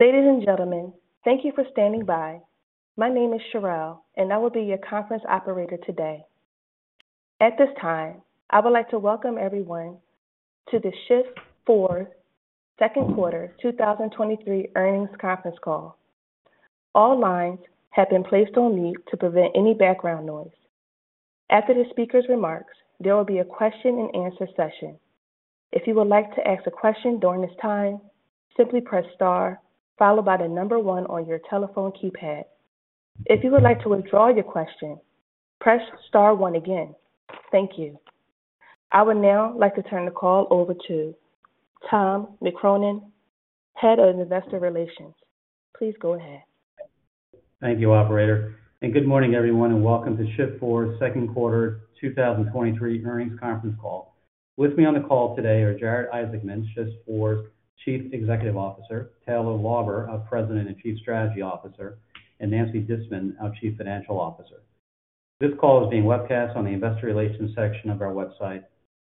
Ladies and gentlemen, thank you for standing by. My name is Cherelle, and I will be your conference operator today. At this time, I would like to welcome everyone to the Shift4 second quarter, 2023 earnings conference call. All lines have been placed on mute to prevent any background noise. After the speaker's remarks, there will be a question and answer session. If you would like to ask a question during this time, simply press star followed by the number one on your telephone keypad. If you would like to withdraw your question, press star one again. Thank you. I would now like to turn the call over to Tom McCrohan, Head of Investor Relations. Please go ahead. Thank you, operator, good morning, everyone, and welcome to Shift4's second quarter 2023 earnings conference call. With me on the call today are Jared Isaacman, Shift4's Chief Executive Officer, Taylor Lauber, our President and Chief Strategy Officer, and Nancy Disman, our Chief Financial Officer. This call is being webcast on the Investor Relations section of our website,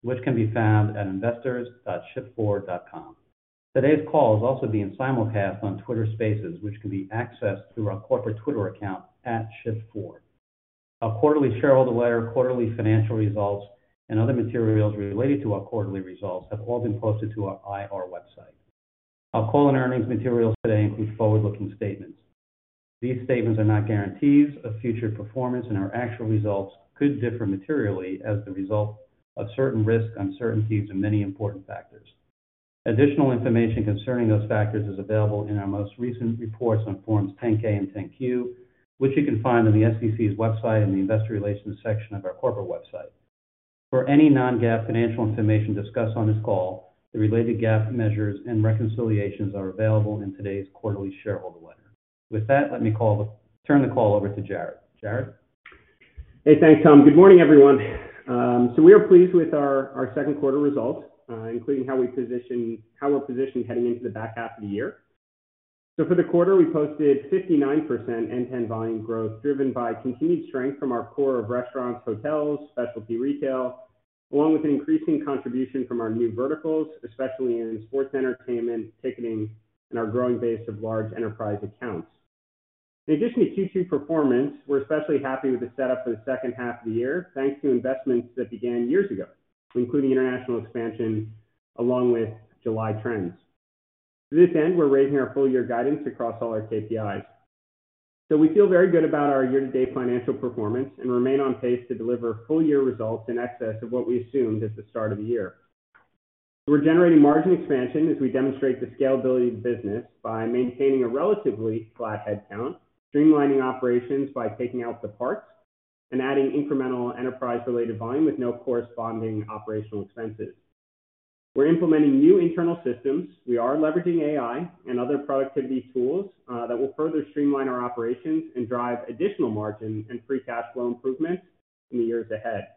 which can be found at investors.shift4.com. Today's call is also being simulcast on Twitter Spaces, which can be accessed through our corporate Twitter account, @shift4. Our quarterly shareholder letter, quarterly financial results, and other materials related to our quarterly results have all been posted to our IR website. Our call and earnings materials today include forward-looking statements. These statements are not guarantees of future performance, and our actual results could differ materially as the result of certain risks, uncertainties, and many important factors. Additional information concerning those factors is available in our most recent reports on Form 10-K and Form 10-Q, which you can find on the SEC's website in the Investor Relations section of our corporate website. For any non-GAAP financial information discussed on this call, the related GAAP measures and reconciliations are available in today's quarterly shareholder letter. With that, let me turn the call over to Jared. Jared? Hey, thanks, Tom. Good morning, everyone. We are pleased with our, our second quarter results, including how we position, how we're positioned heading into the back half of the year. For the quarter, we posted 59% end-to-end volume growth, driven by continued strength from our core of restaurants, hotels, specialty retail, along with an increasing contribution from our new verticals, especially in sports entertainment, ticketing, and our growing base of large enterprise accounts. In addition to Q2 performance, we're especially happy with the setup for the second half of the year, thanks to investments that began years ago, including international expansion along with July trends. To this end, we're raising our full year guidance across all our KPIs. We feel very good about our year-to-date financial performance and remain on pace to deliver full-year results in excess of what we assumed at the start of the year. We're generating margin expansion as we demonstrate the scalability of the business by maintaining a relatively flat headcount, streamlining operations by taking out the parts, and adding incremental enterprise-related volume with no corresponding operational expenses. We're implementing new internal systems. We are leveraging AI and other productivity tools that will further streamline our operations and drive additional margin and free cash flow improvements in the years ahead.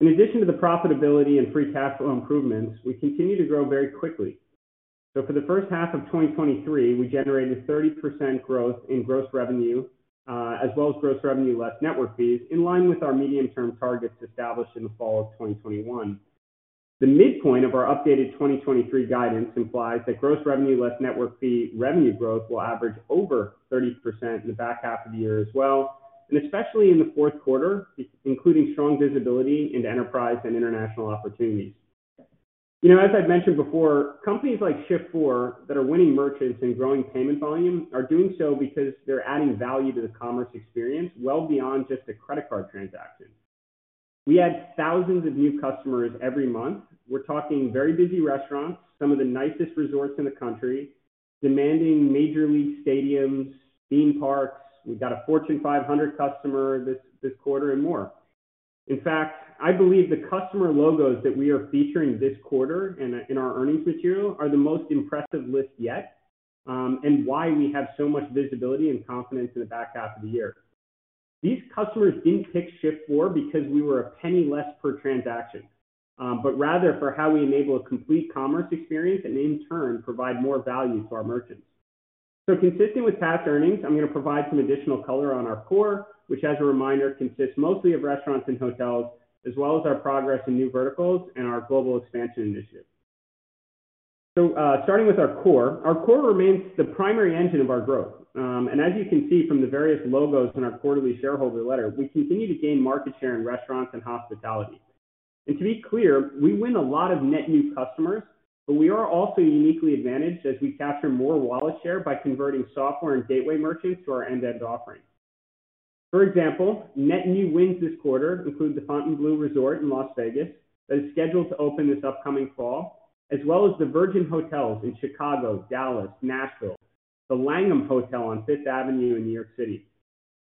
In addition to the profitability and free cash flow improvements, we continue to grow very quickly. For the first half of 2023, we generated 30% growth in gross revenue, as well as gross revenue less network fees, in line with our medium-term targets established in the fall of 2021. The midpoint of our updated 2023 guidance implies that gross revenue, less network fee revenue growth, will average over 30% in the back half of the year as well, and especially in the fourth quarter, including strong visibility into enterprise and international opportunities. You know, as I've mentioned before, companies like Shift4 that are winning merchants and growing payment volume are doing so because they're adding value to the commerce experience well beyond just the credit card transaction. We add thousands of new customers every month. We're talking very busy restaurants, some of the nicest resorts in the country, demanding Major League stadiums, theme parks. We got a Fortune 500 customer this, this quarter and more. In fact, I believe the customer logos that we are featuring this quarter in, in our earnings material are the most impressive list yet, and why we have so much visibility and confidence in the back half of the year. These customers didn't pick Shift4 because we were a penny less per transaction, but rather for how we enable a complete commerce experience and in turn, provide more value to our merchants. Consistent with past earnings, I'm going to provide some additional color on our core, which, as a reminder, consists mostly of restaurants and hotels, as well as our progress in new verticals and our global expansion initiative. Starting with our core, our core remains the primary engine of our growth. As you can see from the various logos in our quarterly shareholder letter, we continue to gain market share in restaurants and hospitality. To be clear, we win a lot of net new customers, but we are also uniquely advantaged as we capture more wallet share by converting software and gateway merchants to our end-to-end offering. For example, net new wins this quarter include the Fontainebleau resort in Las Vegas, that is scheduled to open this upcoming fall, as well as the Virgin Hotels in Chicago, Dallas, Nashville, The Langham Hotel on Fifth Avenue in New York City.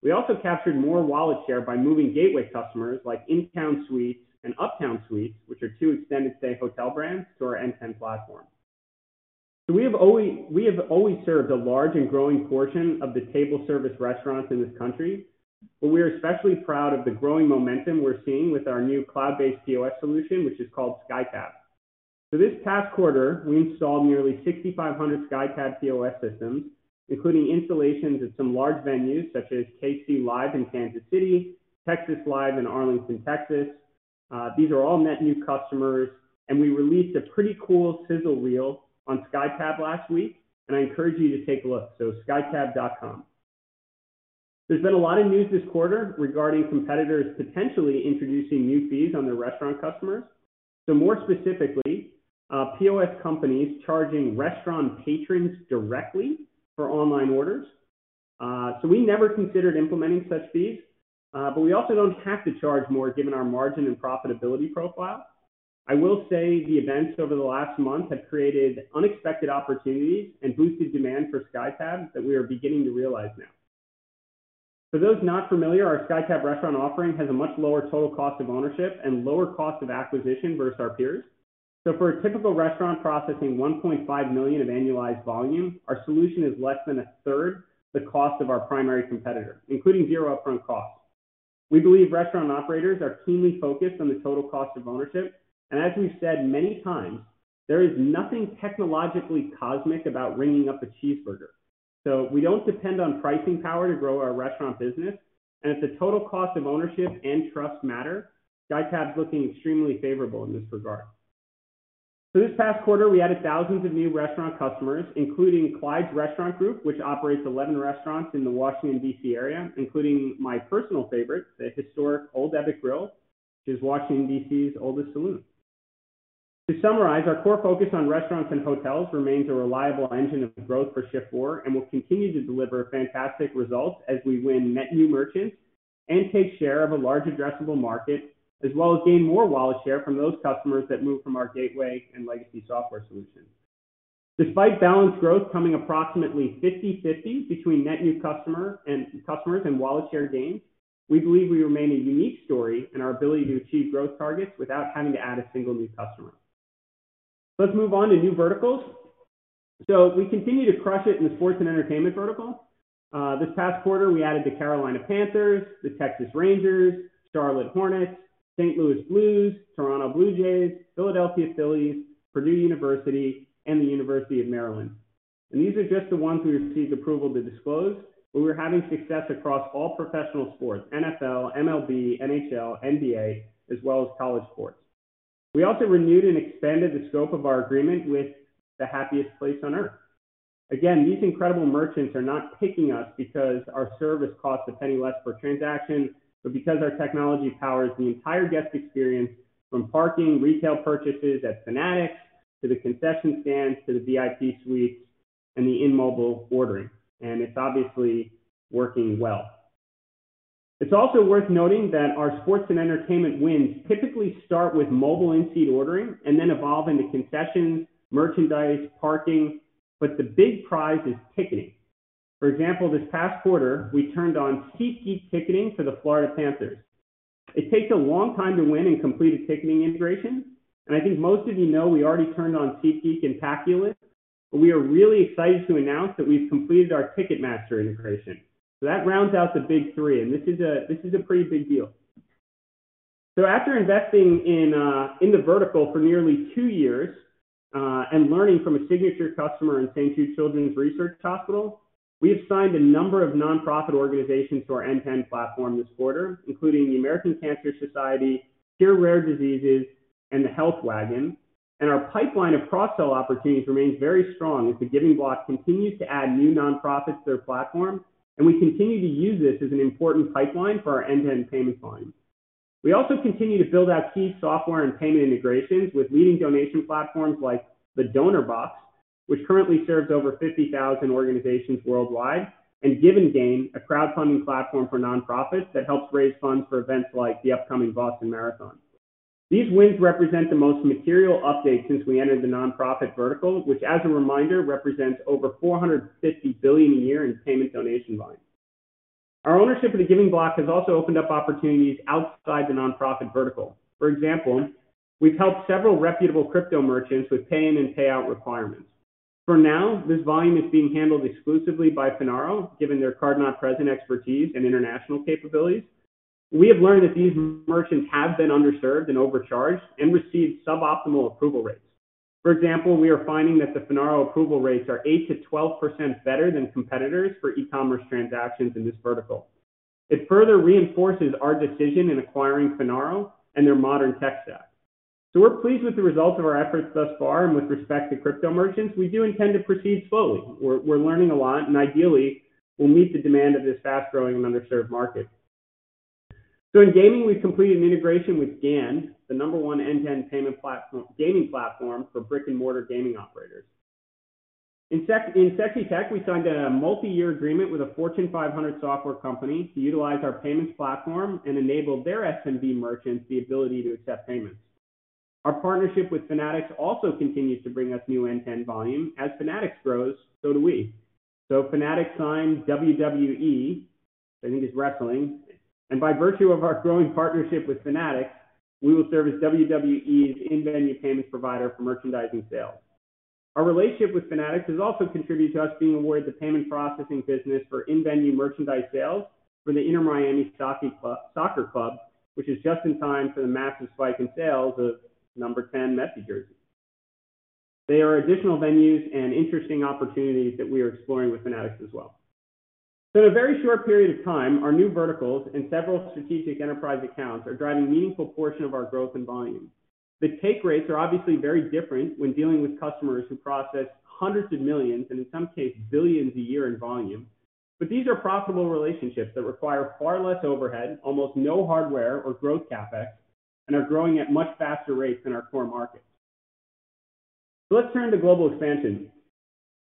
We also captured more wallet share by moving gateway customers like InTown Suites and Uptown Suites, which are two extended stay hotel brands, to our end-to-end platform. We have always, we have always served a large and growing portion of the table service restaurants in this country, but we are especially proud of the growing momentum we're seeing with our new cloud-based POS solution, which is called SkyTab. This past quarter, we installed nearly 6,500 SkyTab POS systems, including installations at some large venues such as KC Live! in Kansas City, Texas Live! in Arlington, Texas. These are all net new customers, and we released a pretty cool sizzle reel on SkyTab last week, and I encourage you to take a look, skytab.com. There's been a lot of news this quarter regarding competitors potentially introducing new fees on their restaurant customers. More specifically, POS companies charging restaurant patrons directly for online orders. We never considered implementing such fees. We also don't have to charge more given our margin and profitability profile. I will say the events over the last month have created unexpected opportunities and boosted demand for SkyTab that we are beginning to realize now. For those not familiar, our SkyTab restaurant offering has a much lower total cost of ownership and lower cost of acquisition versus our peers. For a typical restaurant processing $1.5 million of annualized volume, our solution is less than a third the cost of our primary competitor, including zero upfront costs. We believe restaurant operators are keenly focused on the total cost of ownership. As we've said many times, there is nothing technologically cosmic about ringing up a cheeseburger. We don't depend on pricing power to grow our restaurant business, and if the total cost of ownership and trust matter, SkyTab is looking extremely favorable in this regard. This past quarter, we added thousands of new restaurant customers, including Clyde's Restaurant Group, which operates 11 restaurants in the Washington, D.C. area, including my personal favorite, the historic Old Ebbitt Grill, which is Washington, D.C.'s oldest saloon. To summarize, our core focus on restaurants and hotels remains a reliable engine of growth for Shift4, and will continue to deliver fantastic results as we win net new merchants and take share of a large addressable market, as well as gain more wallet share from those customers that move from our gateway and legacy software solutions. Despite balanced growth coming approximately 50/50 between net new customer and customers and wallet share gains, we believe we remain a unique story in our ability to achieve growth targets without having to add a single new customer. Let's move on to new verticals. This past quarter, we added the Carolina Panthers, the Texas Rangers, Charlotte Hornets, St. Louis Blues, Toronto Blue Jays, Philadelphia Phillies, Purdue University, and the University of Maryland. These are just the ones we received approval to disclose, but we're having success across all professional sports, NFL, MLB, NHL, NBA, as well as college sports. We also renewed and expanded the scope of our agreement with the happiest place on Earth. These incredible merchants are not picking us because our service costs $0.01 less per transaction, but because our technology powers the entire guest experience from parking, retail purchases at Fanatics, to the concession stands, to the VIP suites, and the in-mobile ordering, and it's obviously working well. It's also worth noting that our sports and entertainment wins typically start with mobile in-seat ordering and then evolve into concessions, merchandise, parking, but the big prize is ticketing. For example, this past quarter, we turned on SeatGeek ticketing for the Florida Panthers. It takes a long time to win and complete a ticketing integration, and I think most of you know, we already turned on SeatGeek and Paciolan, but we are really excited to announce that we've completed our Ticketmaster integration. That rounds out the big three, and this is a pretty big deal. After investing in the vertical for nearly two years, and learning from a signature customer in St. Jude Children's Research Hospital, we have signed a number of non-profit organizations to our end-to-end platform this quarter, including the American Cancer Society, Cure Rare Disease, and The Health Wagon. Our pipeline of cross-sell opportunities remains very strong as The Giving Block continues to add new non-profits to their platform, and we continue to use this as an important pipeline for our end-to-end payments line. We also continue to build out key software and payment integrations with leading donation platforms like Donorbox, which currently serves over 50,000 organizations worldwide, and GivenGain, a crowdfunding platform for non-profits that helps raise funds for events like the upcoming Boston Marathon. These wins represent the most material update since we entered the non-profit vertical, which, as a reminder, represents over $450 billion a year in payment donation volume. Our ownership of The Giving Block has also opened up opportunities outside the non-profit vertical. For example, we've helped several reputable crypto merchants with pay-in- and payout requirements. For now, this volume is being handled exclusively by Finaro, given their card-not-present expertise and international capabilities. We have learned that these merchants have been underserved and overcharged and received suboptimal approval rates. For example, we are finding that the Finaro approval rates are 8%-12% better than competitors for e-commerce transactions in this vertical. It further reinforces our decision in acquiring Finaro and their modern tech stack. We're pleased with the results of our efforts thus far, and with respect to crypto merchants, we do intend to proceed slowly. We're learning a lot, and ideally, we'll meet the demand of this fast-growing and underserved market. In gaming, we've completed an integration with GAN, the number one end-to-end gaming platform for brick-and-mortar gaming operators. In sexy tech, we signed a multiyear agreement with a Fortune 500 software company to utilize our payments platform and enable their SMB merchants the ability to accept payments. Our partnership with Fanatics also continues to bring us new end-to-end volume. As Fanatics grows, so do we. Fanatics signed WWE, I think it's wrestling, and by virtue of our growing partnership with Fanatics, we will serve as WWE's in-venue payments provider for merchandising sales. Our relationship with Fanatics has also contributed to us being awarded the payment processing business for in-venue merchandise sales for the Inter Miami Soccer Club, which is just in time for the massive spike in sales of number 10 Messi jerseys. They are additional venues and interesting opportunities that we are exploring with Fanatics as well. In a very short period of time, our new verticals and several strategic enterprise accounts are driving a meaningful portion of our growth and volume. The take rates are obviously very different when dealing with customers who process hundreds of millions, and in some cases, billions a year in volume. These are profitable relationships that require far less overhead, almost no hardware or growth CapEx, and are growing at much faster rates than our core markets. Let's turn to global expansion.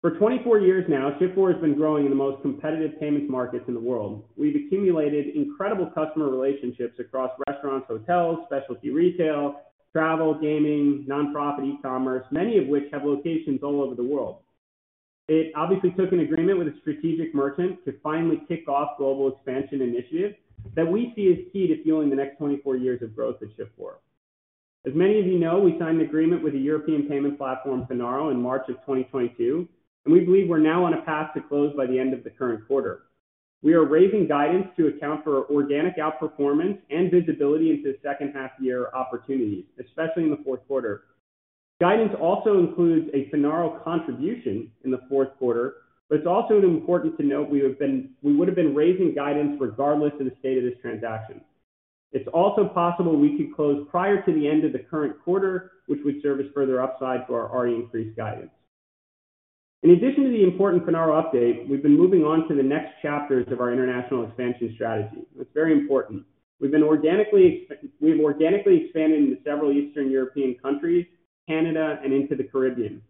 For 24 years now, Shift4 has been growing in the most competitive payments markets in the world. We've accumulated incredible customer relationships across restaurants, hotels, specialty retail, travel, gaming, non-profit, e-commerce, many of which have locations all over the world. It obviously took an agreement with a strategic merchant to finally kick off global expansion initiative that we see as key to fueling the next 24 years of growth at Shift4. As many of you know, we signed an agreement with the European payment platform, Finaro, in March of 2022, and we believe we're now on a path to close by the end of the current quarter. We are raising guidance to account for organic outperformance and visibility into second half year opportunities, especially in the fourth quarter. Guidance also includes a Finaro contribution in the fourth quarter, but it's also important to note we would have been raising guidance regardless of the state of this transaction. It's also possible we could close prior to the end of the current quarter, which would serve as further upside to our already increased guidance. In addition to the important Finaro update, we've been moving on to the next chapters of our international expansion strategy. It's very important. We've organically expanded into several Eastern European countries, Canada, and into the Caribbean.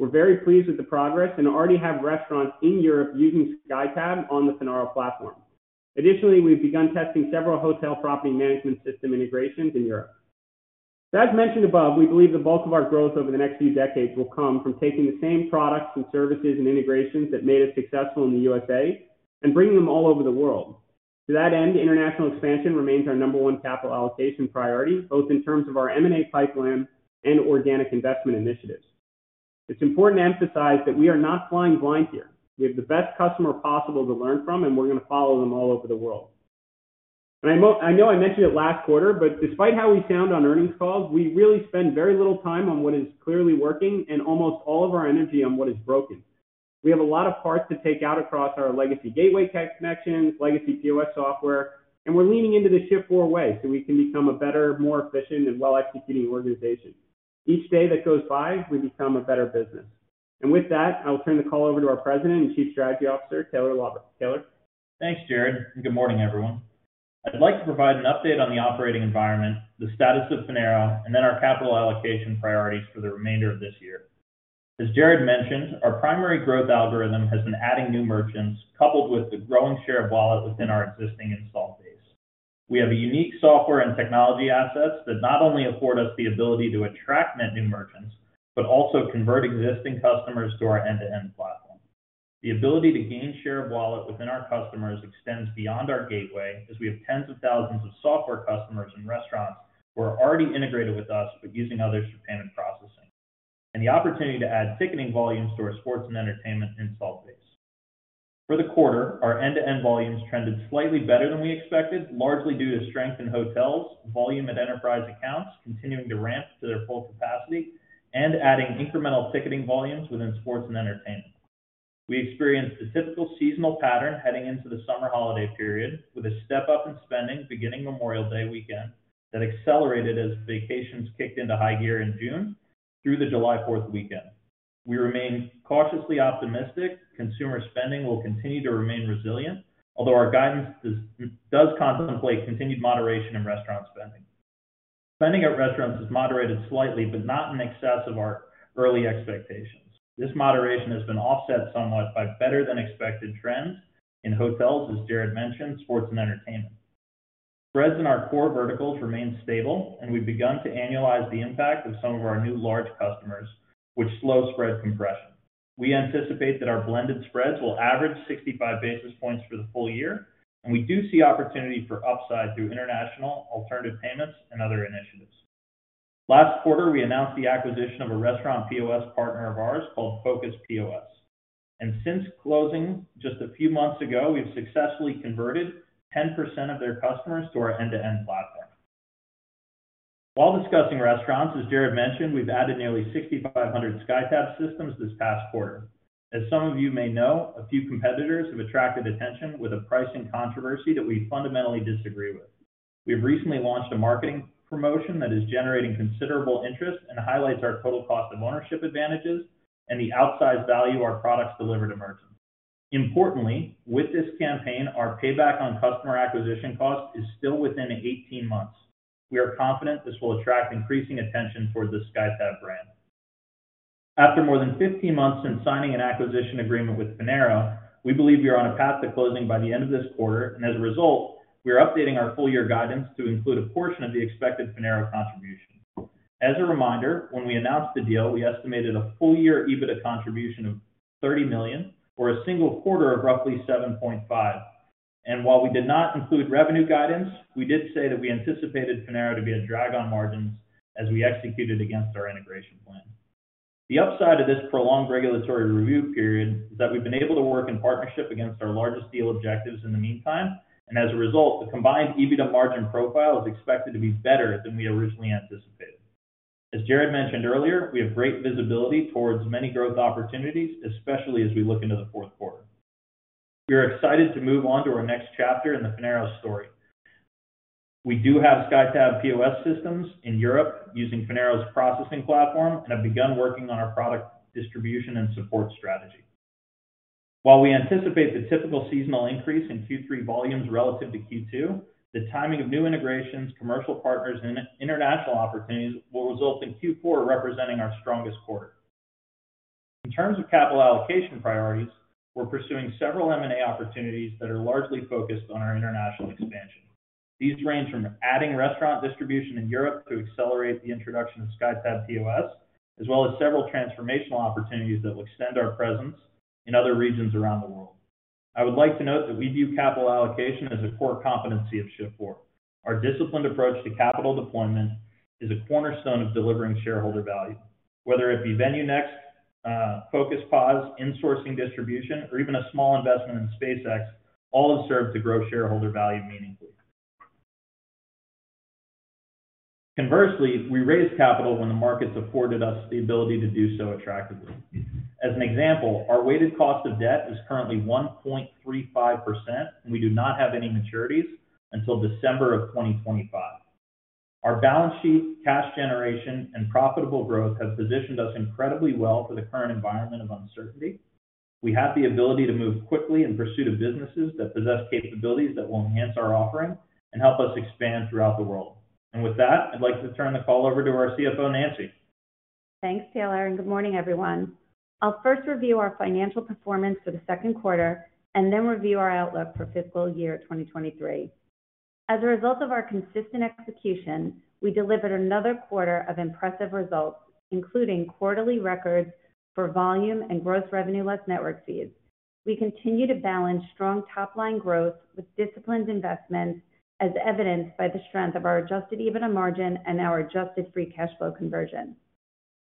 We're very pleased with the progress and already have restaurants in Europe using SkyTab on the Finaro platform. Additionally, we've begun testing several hotel property management system integrations in Europe. As mentioned above, we believe the bulk of our growth over the next few decades will come from taking the same products and services and integrations that made us successful in the USA and bringing them all over the world. To that end, international expansion remains our number one capital allocation priority, both in terms of our M&A pipeline and organic investment initiatives. It's important to emphasize that we are not flying blind here. We have the best customer possible to learn from, and we're going to follow them all over the world. I know I mentioned it last quarter, but despite how we sound on earnings calls, we really spend very little time on what is clearly working and almost all of our energy on what is broken. We have a lot of parts to take out across our legacy gateway type connections, legacy POS software, and we're leaning into the Shift4 way so we can become a better, more efficient, and well-executing organization. Each day that goes by, we become a better business. With that, I will turn the call over to our President and Chief Strategy Officer, Taylor Lauber. Taylor? Thanks, Jared, and good morning, everyone. I'd like to provide an update on the operating environment, the status of Finaro, and then our capital allocation priorities for the remainder of this year. As Jared mentioned, our primary growth algorithm has been adding new merchants, coupled with the growing share of wallet within our existing install base. We have a unique software and technology assets that not only afford us the ability to attract net new merchants, but also convert existing customers to our end-to-end platform. The ability to gain share of wallet within our customers extends beyond our gateway, as we have tens of thousands of software customers and restaurants who are already integrated with us, but using others for payment processing, and the opportunity to add ticketing volumes to our sports and entertainment install base. For the quarter, our end-to-end volumes trended slightly better than we expected, largely due to strength in hotels, volume at enterprise accounts continuing to ramp to their full capacity, and adding incremental ticketing volumes within sports and entertainment. We experienced the typical seasonal pattern heading into the summer holiday period, with a step-up in spending beginning Memorial Day weekend, that accelerated as vacations kicked into high gear in June through the July 4th weekend. We remain cautiously optimistic consumer spending will continue to remain resilient, although our guidance does, does contemplate continued moderation in restaurant spending. Spending at restaurants has moderated slightly, but not in excess of our early expectations. This moderation has been offset somewhat by better-than-expected trends in hotels, as Jared mentioned, sports and entertainment. Spreads in our core verticals remain stable. We've begun to annualize the impact of some of our new large customers, which slow spread compression. We anticipate that our blended spreads will average 65 basis points for the full year. We do see opportunity for upside through international, alternative payments, and other initiatives. Last quarter, we announced the acquisition of a restaurant POS partner of ours called Focus POS. Since closing just a few months ago, we've successfully converted 10% of their customers to our end-to-end platform. While discussing restaurants, as Jared mentioned, we've added nearly 6,500 SkyTab systems this past quarter. As some of you may know, a few competitors have attracted attention with a pricing controversy that we fundamentally disagree with. We've recently launched a marketing promotion that is generating considerable interest and highlights our total cost of ownership advantages and the outsized value our products deliver to merchants. Importantly, with this campaign, our payback on customer acquisition cost is still within 18 months. We are confident this will attract increasing attention for the SkyTab brand. After more than 15 months since signing an acquisition agreement with Finaro, we believe we are on a path to closing by the end of this quarter, and as a result, we are updating our full year guidance to include a portion of the expected Finaro contribution. As a reminder, when we announced the deal, we estimated a full-year EBITDA contribution of $30 million, or a single quarter of roughly $7.5 million. While we did not include revenue guidance, we did say that we anticipated Finaro to be a drag on margins as we executed against our integration plan. The upside of this prolonged regulatory review period is that we've been able to work in partnership against our largest deal objectives in the meantime, and as a result, the combined EBITDA margin profile is expected to be better than we originally anticipated. As Jared mentioned earlier, we have great visibility towards many growth opportunities, especially as we look into the fourth quarter. We are excited to move on to our next chapter in the Finaro story. We do have SkyTab POS systems in Europe using Finaro's processing platform, and have begun working on our product distribution and support strategy. While we anticipate the typical seasonal increase in Q3 volumes relative to Q2, the timing of new integrations, commercial partners, and international opportunities will result in Q4 representing our strongest quarter. In terms of capital allocation priorities, we're pursuing several M&A opportunities that are largely focused on our international expansion. These range from adding restaurant distribution in Europe to accelerate the introduction of SkyTab POS, as well as several transformational opportunities that will extend our presence in other regions around the world. I would like to note that we view capital allocation as a core competency of Shift4. Our disciplined approach to capital deployment is a cornerstone of delivering shareholder value. Whether it be VenueNext, Focus POS, insourcing distribution, or even a small investment in SpaceX, all have served to grow shareholder value meaningfully. Conversely, we raised capital when the markets afforded us the ability to do so attractively. As an example, our weighted cost of debt is currently 1.35%. We do not have any maturities until December of 2025. Our balance sheet, cash generation, and profitable growth have positioned us incredibly well for the current environment of uncertainty. We have the ability to move quickly in pursuit of businesses that possess capabilities that will enhance our offering and help us expand throughout the world. With that, I'd like to turn the call over to our CFO Nancy. Thanks, Taylor. Good morning, everyone. I'll first review our financial performance for the second quarter and then review our outlook for fiscal year 2023. As a result of our consistent execution, we delivered another quarter of impressive results, including quarterly records for volume and gross revenue less network fees. We continue to balance strong top-line growth with disciplined investments, as evidenced by the strength of our adjusted EBITDA margin and our adjusted free cash flow conversion.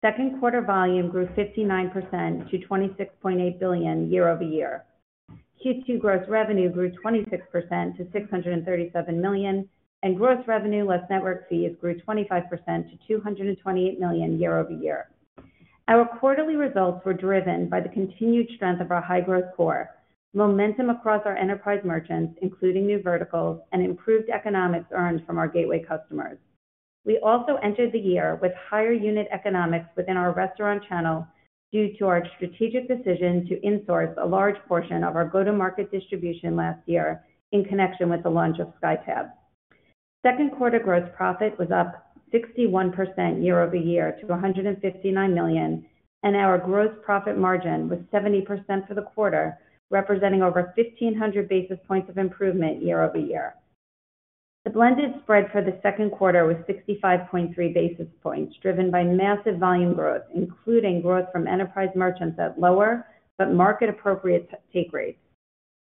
Second quarter volume grew 59% to $26.8 billion year-over-year. Q2 gross revenue grew 26% to $637 million, and gross revenue less network fees grew 25% to $228 million year-over-year. Our quarterly results were driven by the continued strength of our high-growth core, momentum across our enterprise merchants, including new verticals and improved economics earned from our gateway customers. We also entered the year with higher unit economics within our restaurant channel due to our strategic decision to insource a large portion of our go-to-market distribution last year in connection with the launch of SkyTab. Second quarter gross profit was up 61% year-over-year to $159 million, and our gross profit margin was 70% for the quarter, representing over 1,500 basis points of improvement year-over-year. The blended spread for the second quarter was 65.3 basis points, driven by massive volume growth, including growth from enterprise merchants at lower but market-appropriate take rates.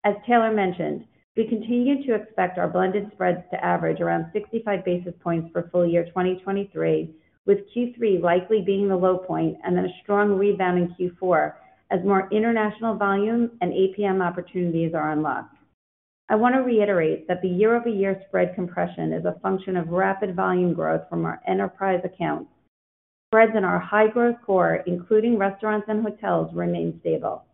As Taylor mentioned, we continue to expect our blended spreads to average around 65 basis points for full year 2023, with Q3 likely being the low point then a strong rebound in Q4 as more international volumes and APM opportunities are unlocked. I want to reiterate that the year-over-year spread compression is a function of rapid volume growth from our enterprise accounts. Spreads in our high-growth core, including restaurants and hotels, remain stable.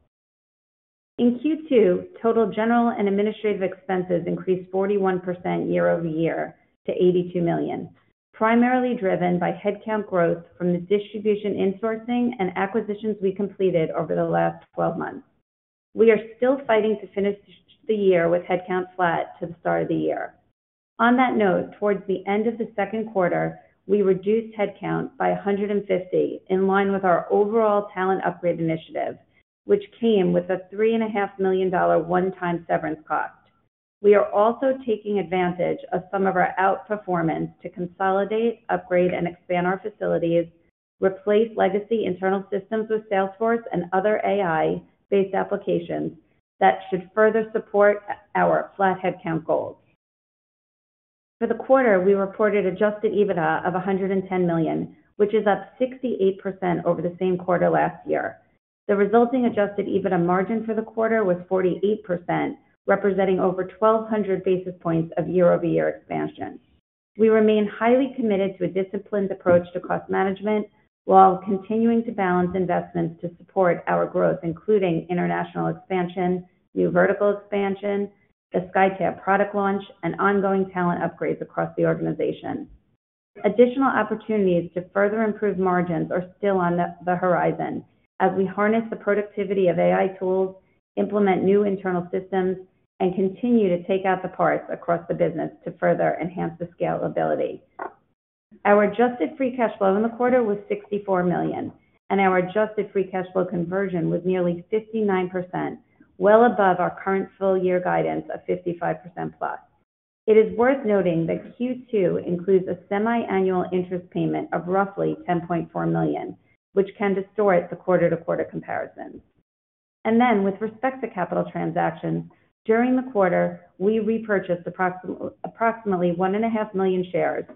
In Q2, total general and administrative expenses increased 41% year-over-year to $82 million, primarily driven by headcount growth from the distribution, insourcing, and acquisitions we completed over the last 12 months. We are still fighting to finish the year with headcount flat to the start of the year. On that note, towards the end of the second quarter, we reduced headcount by 150, in line with our overall talent upgrade initiative, which came with a $3.5 million one-time severance cost. We are also taking advantage of some of our outperformance to consolidate, upgrade, and expand our facilities, replace legacy internal systems with Salesforce and other AI-based applications that should further support our flat headcount goals. For the quarter, we reported adjusted EBITDA of $110 million, which is up 68% over the same quarter last year. The resulting adjusted EBITDA margin for the quarter was 48%, representing over 1,200 basis points of year-over-year expansion. We remain highly committed to a disciplined approach to cost management while continuing to balance investments to support our growth, including international expansion, new vertical expansion, the SkyTab product launch, and ongoing talent upgrades across the organization. Additional opportunities to further improve margins are still on the horizon as we harness the productivity of AI tools, implement new internal systems, and continue to take out the parts across the business to further enhance the scalability. Our adjusted free cash flow in the quarter was $64 million, and our adjusted free cash flow conversion was nearly 59%, well above our current full year guidance of 55%+. It is worth noting that Q2 includes a semiannual interest payment of roughly $10.4 million, which can distort the quarter-to-quarter comparisons. Then with respect to capital transactions, during the quarter, we repurchased approximately 1.5 million shares.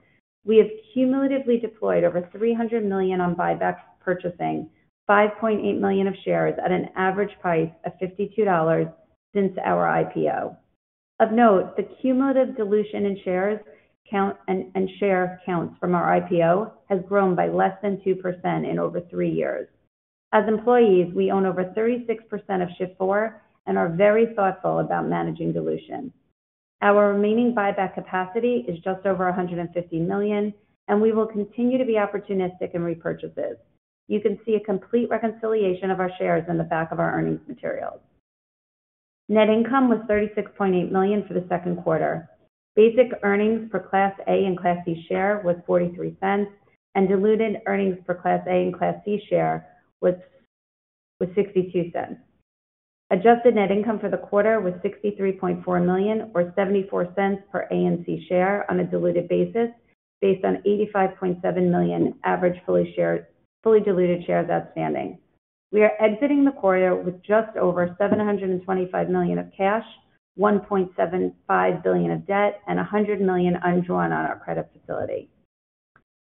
We have cumulatively deployed over $300 million on buyback, purchasing 5.8 million of shares at an average price of $52 since our IPO. Of note, the cumulative dilution in share counts from our IPO has grown by less than 2% in over three years. As employees, we own over 36% of Shift4 and are very thoughtful about managing dilution. Our remaining buyback capacity is just over $150 million, and we will continue to be opportunistic in repurchases. You can see a complete reconciliation of our shares in the back of our earnings materials. Net income was $36.8 million for the second quarter. Basic earnings per Class A and Class C share was $0.43, diluted earnings per Class A and Class C share was $0.62. Adjusted net income for the quarter was $63.4 million, or $0.74 per A and C share on a diluted basis, based on 85.7 million average fully diluted shares outstanding. We are exiting the quarter with just over $725 million of cash, $1.75 billion of debt, and $100 million undrawn on our credit facility.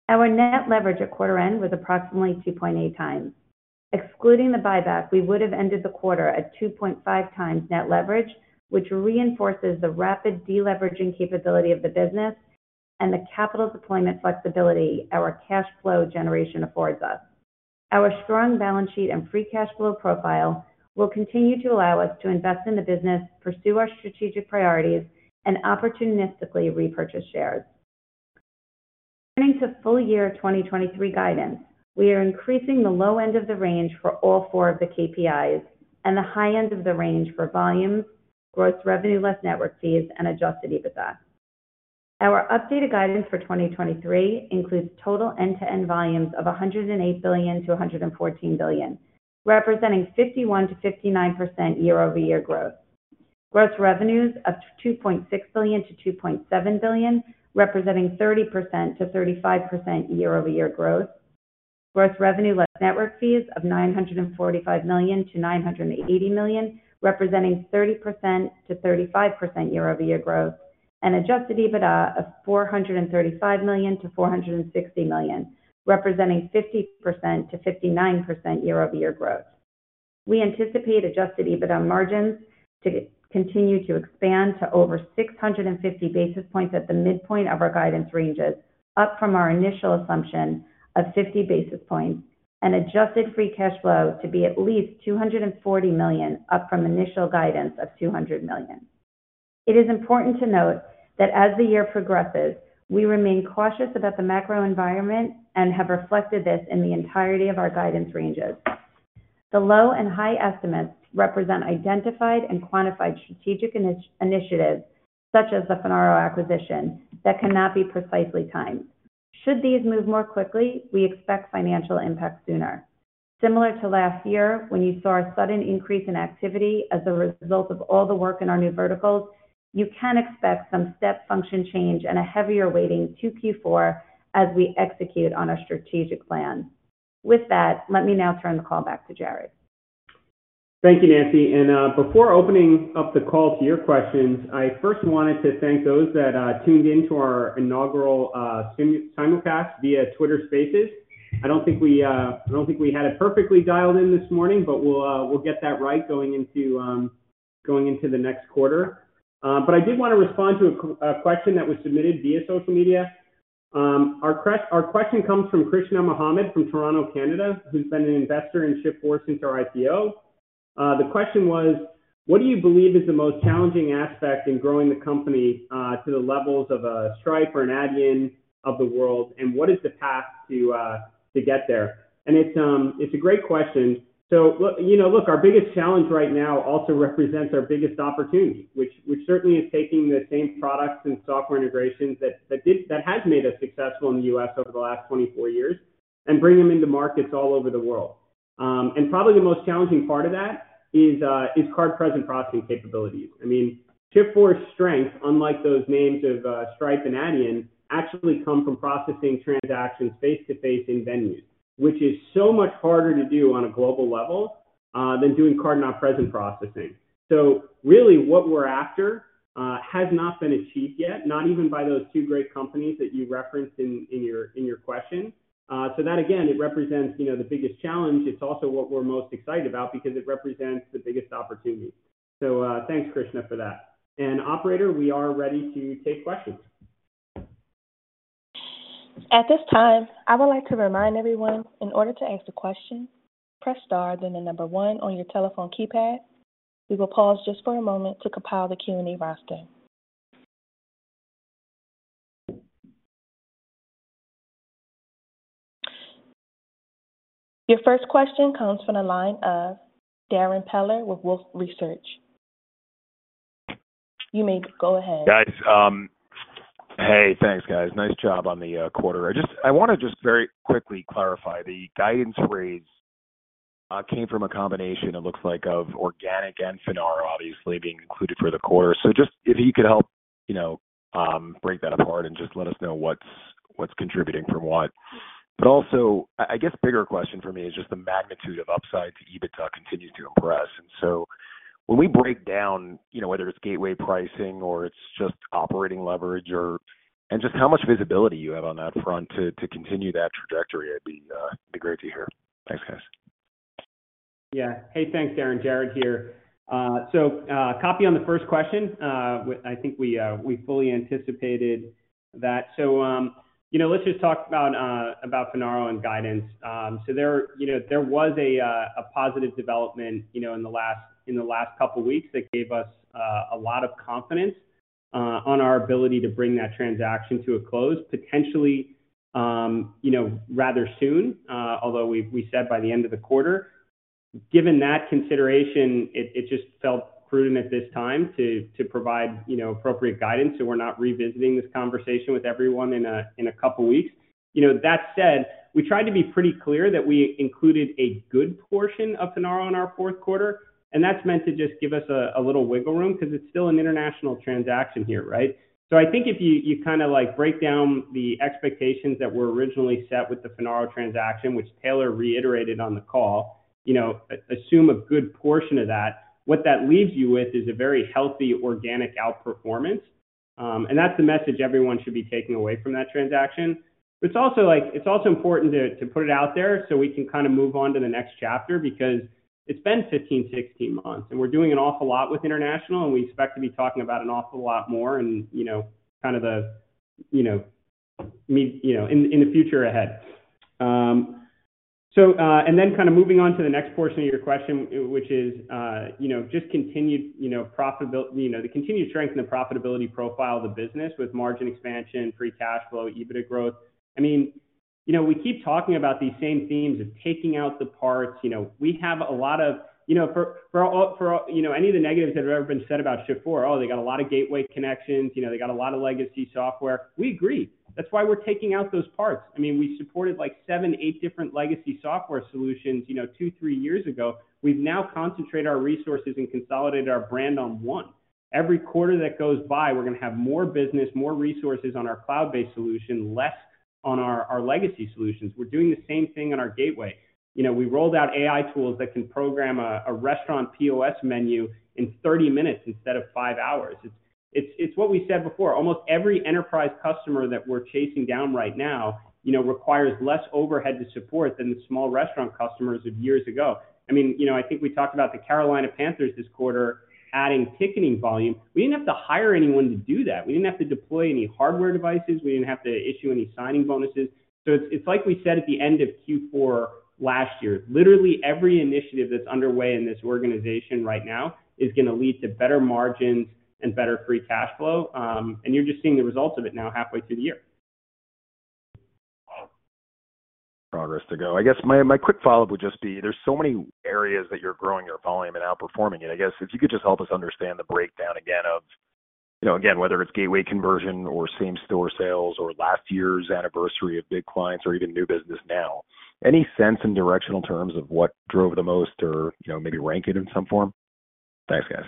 Our net leverage at quarter end was approximately 2.8x. Excluding the buyback, we would have ended the quarter at 2.5x net leverage, which reinforces the rapid deleveraging capability of the business and the capital deployment flexibility our cash flow generation affords us. Our strong balance sheet and free cash flow profile will continue to allow us to invest in the business, pursue our strategic priorities, and opportunistically repurchase shares. Turning to full year 2023 guidance, we are increasing the low end of the range for all four of the KPIs and the high end of the range for volumes, gross revenue less network fees, and adjusted EBITDA. Our updated guidance for 2023 includes total end-to-end volumes of $108 billion-$114 billion, representing 51%-59% year-over-year growth. Gross revenues of $2.6 billion-$2.7 billion, representing 30%-35% year-over-year growth. Gross revenue less network fees of $945 million-$980 million, representing 30%-35% year-over-year growth, and adjusted EBITDA of $435 million-$460 million, representing 50%-59% year-over-year growth. We anticipate adjusted EBITDA margins to continue to expand to over 650 basis points at the midpoint of our guidance ranges, up from our initial assumption of 50 basis points, and adjusted free cash flow to be at least $240 million, up from initial guidance of $200 million. It is important to note that as the year progresses, we remain cautious about the macro environment and have reflected this in the entirety of our guidance ranges. The low and high estimates represent identified and quantified strategic initiatives, such as the Finaro acquisition, that cannot be precisely timed. Should these move more quickly, we expect financial impact sooner. Similar to last year, when you saw a sudden increase in activity as a result of all the work in our new verticals, you can expect some step function change and a heavier weighting to Q4 as we execute on our strategic plan. With that, let me now turn the call back to Jared. Thank you, Nancy. Before opening up the call to your questions, I first wanted to thank those that tuned in to our inaugural simulcast via Twitter Spaces. I don't think we, I don't think we had it perfectly dialed in this morning, but we'll get that right going into going into the next quarter. I did want to respond to a question that was submitted via social media. Our question comes from Krishna Mohammed from Toronto, Canada, who's been an investor in Shift4 since our IPO. The question was: what do you believe is the most challenging aspect in growing the company to the levels of a Stripe or an Adyen of the world, and what is the path to get there? It's, it's a great question. Look, you know, look, our biggest challenge right now also represents our biggest opportunity, which, which certainly is taking the same products and software integrations that has made us successful in the U.S. over the last 24 years and bring them into markets all over the world. And probably the most challenging part of that is card-present processing capabilities. I mean, Shift4's strength, unlike those names of Stripe and Adyen, actually come from processing transactions face-to-face in venues, which is so much harder to do on a global level than doing card-not-present processing. Really, what we're after has not been achieved yet, not even by those two great companies that you referenced in, in your, in your question. That, again, it represents, you know, the biggest challenge. It's also what we're most excited about because it represents the biggest opportunity. Thanks, Krishna, for that. Operator, we are ready to take questions. At this time, I would like to remind everyone, in order to ask a question, press star, then the number one on your telephone keypad. We will pause just for a moment to compile the Q&A roster. Your first question comes from the line of Darrin Peller with Wolfe Research. You may go ahead. Guys, hey, thanks, guys. Nice job on the quarter. I want to just very quickly clarify the guidance raise came from a combination, it looks like, of organic and Finaro obviously being included for the quarter. Just if you could help, you know, break that apart and just let us know what's, what's contributing from what? I, I guess the bigger question for me is just the magnitude of upside to EBITDA continues to impress. When we break down, you know, whether it's gateway pricing or it's just operating leverage, and just how much visibility you have on that front to continue that trajectory, it'd be great to hear. Thanks, guys. Yeah. Hey, thanks, Darrin. Jared here. Copy on the first question. I think we fully anticipated that. You know, let's just talk about Finaro and guidance. There, you know, there was a positive development, you know, in the last, in the last couple weeks that gave us a lot of confidence on our ability to bring that transaction to a close, potentially, you know, rather soon, although we said by the end of the quarter. Given that consideration, it just felt prudent at this time to provide, you know, appropriate guidance, so we're not revisiting this conversation with everyone in a couple weeks. You know, that said, we tried to be pretty clear that we included a good portion of Finaro in our fourth quarter, and that's meant to just give us a little wiggle room, 'cause it's still an international transaction here, right? I think if you kind of like break down the expectations that were originally set with the Finaro transaction, which Taylor reiterated on the call, you know, assume a good portion of that, what that leaves you with is a very healthy organic outperformance. That's the message everyone should be taking away from that transaction. It's also like It's also important to, to put it out there so we can kind of move on to the next chapter, because it's been 15, 16 months, and we're doing an awful lot with international, and we expect to be talking about an awful lot more and, you know, kind of the, you know, you know, in, in the future ahead. Kind of moving on to the next portion of your question, which is, you know, just continued, you know, the continued strength and the profitability profile of the business with margin expansion, free cash flow, EBITDA growth. I mean, you know, we keep talking about these same themes of taking out the parts. You know, we have a lot of, you know, for, for all, for, you know, any of the negatives that have ever been said about Shift4, "Oh, they got a lot of gateway connections. You know, they got a lot of legacy software." We agree. That's why we're taking out those parts. I mean, we supported, like, seven, eight different legacy software solutions, you know, two, three years ago. We've now concentrated our resources and consolidated our brand on one. Every quarter that goes by, we're gonna have more business, more resources on our cloud-based solution, less on our, our legacy solutions. We're doing the same thing on our gateway. You know, we rolled out AI tools that can program a, a restaurant POS menu in 30 minutes instead of five hours. It's, it's, it's what we said before. Almost every enterprise customer that we're chasing down right now, you know, requires less overhead to support than the small restaurant customers of years ago. I mean, you know, I think we talked about the Carolina Panthers this quarter adding ticketing volume. We didn't have to hire anyone to do that. We didn't have to deploy any hardware devices. We didn't have to issue any signing bonuses. It's, it's like we said at the end of Q4 last year, literally every initiative that's underway in this organization right now is gonna lead to better margins and better free cash flow, and you're just seeing the results of it now, halfway through the year. Progress to go. I guess my, my quick follow-up would just be: There's so many areas that you're growing your volume and outperforming, and I guess if you could just help us understand the breakdown again of, you know, again, whether it's gateway conversion or same-store sales, or last year's anniversary of big clients or even new business now. Any sense in directional terms of what drove the most or, you know, maybe rank it in some form? Thanks, guys.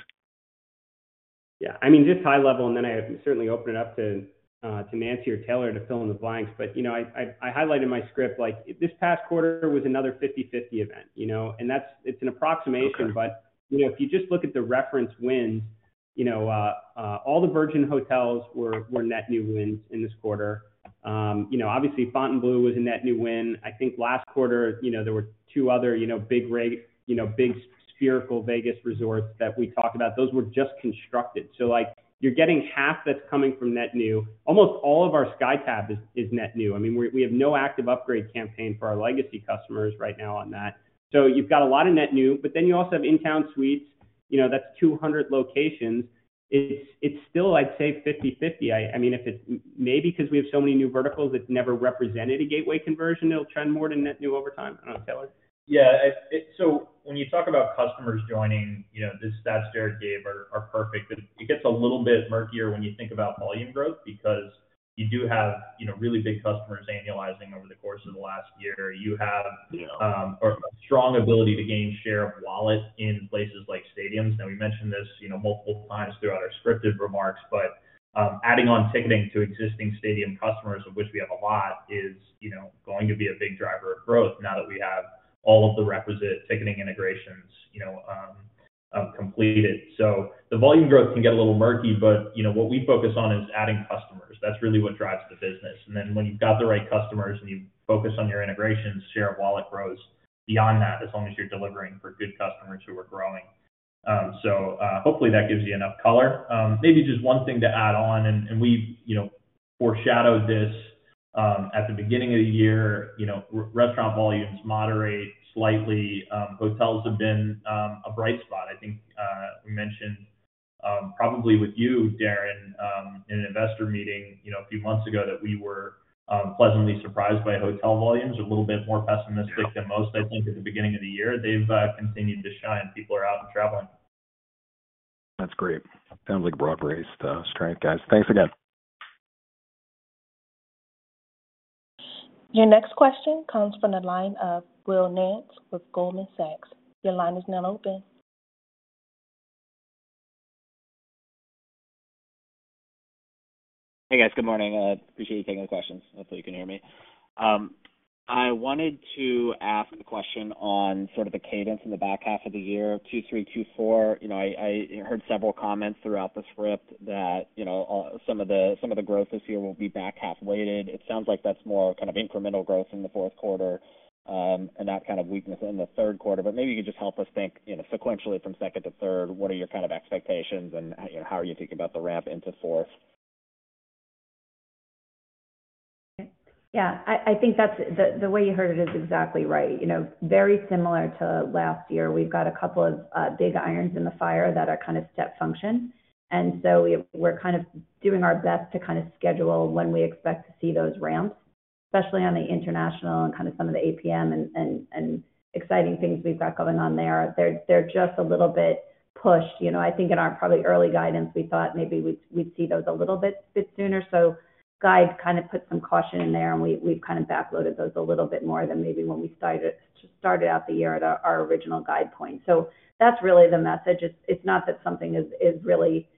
Yeah, I mean, just high level, and then I certainly open it up to Nancy or Taylor to fill in the blanks. But, you know, I, I, I highlighted in my script, like, this past quarter was another 50/50 event, you know, and that's. It's an approximation. You know, if you just look at the reference wins, you know, all the Virgin Hotels were, were net new wins in this quarter. You know, obviously, Fontainebleau was a net new win. I think last quarter, you know, there were two other, you know, big reg, you know, big spherical Vegas resorts that we talked about. Those were just constructed. Like, you're getting half that's coming from net new. Almost all of our SkyTab is, is net new. I mean, we, we have no active upgrade campaign for our legacy customers right now on that. You've got a lot of net new, but then you also have InTown Suites, you know, that's 200 locations. It's, it's still, I'd say, 50/50. I, I mean, maybe 'cause we have so many new verticals, it's never represented a gateway conversion, it'll trend more to net new over time. I don't know. Taylor? Yeah. When you talk about customers joining, you know, the stats Jared gave are, are perfect, but it gets a little bit murkier when you think about volume growth because you do have, you know, really big customers annualizing over the course of the last year. You have a strong ability to gain share of wallet in places like stadiums. Now, we mentioned this, you know, multiple times throughout our scripted remarks, but, adding on ticketing to existing stadium customers, of which we have a lot, is, you know, going to be a big driver of growth now that we have all of the requisite ticketing integrations, you know, completed. The volume growth can get a little murky, but, you know, what we focus on is adding customers. That's really what drives the business. When you've got the right customers and you focus on your integrations, share of wallet grows beyond that, as long as you're delivering for good customers who are growing. Hopefully, that gives you enough color. Maybe just one thing to add on, we've foreshadowed this at the beginning of the year, restaurant volumes moderate slightly. Hotels have been a bright spot. I think we mentioned probably with you, Darrin, in an investor meeting a few months ago, that we were pleasantly surprised by hotel volumes. A little bit more pessimistic than most, I think, at the beginning of the year. They've continued to shine. People are out and traveling. That's great. Sounds like broad-based strength, guys. Thanks again. Your next question comes from the line of Will Nance with Goldman Sachs. Your line is now open. Hey, guys. Good morning. Appreciate you taking the questions. Hopefully, you can hear me. I wanted to ask a question on sort of the cadence in the back half of the year, Q2, Q3, Q4. You know, I, I heard several comments throughout the script that, you know, some of the, some of the growth this year will be back half weighted. It sounds like that's more kind of incremental growth in the fourth quarter, and that kind of weakness in the third quarter. Maybe you could just help us think, you know, sequentially from second to third, what are your kind of expectations, and, you know, how are you thinking about the ramp into fourth? Yeah, I, I think that's the, the way you heard it is exactly right. You know, very similar to last year, we've got a couple of big irons in the fire that are kind of step function, and so we, we're kind of doing our best to kind of schedule when we expect to see those ramps, especially on the international and kind of some of the APM and, and, and exciting things we've got going on there. They're, they're just a little bit pushed. You know, I think in our probably early guidance, we thought maybe we'd, we'd see those a little bit, bit sooner. So guide kind of put some caution in there, and we, we've kind of backloaded those a little bit more than maybe when we started, started out the year at our, our original guide point. So that's really the message. It's, it's not that something is, is really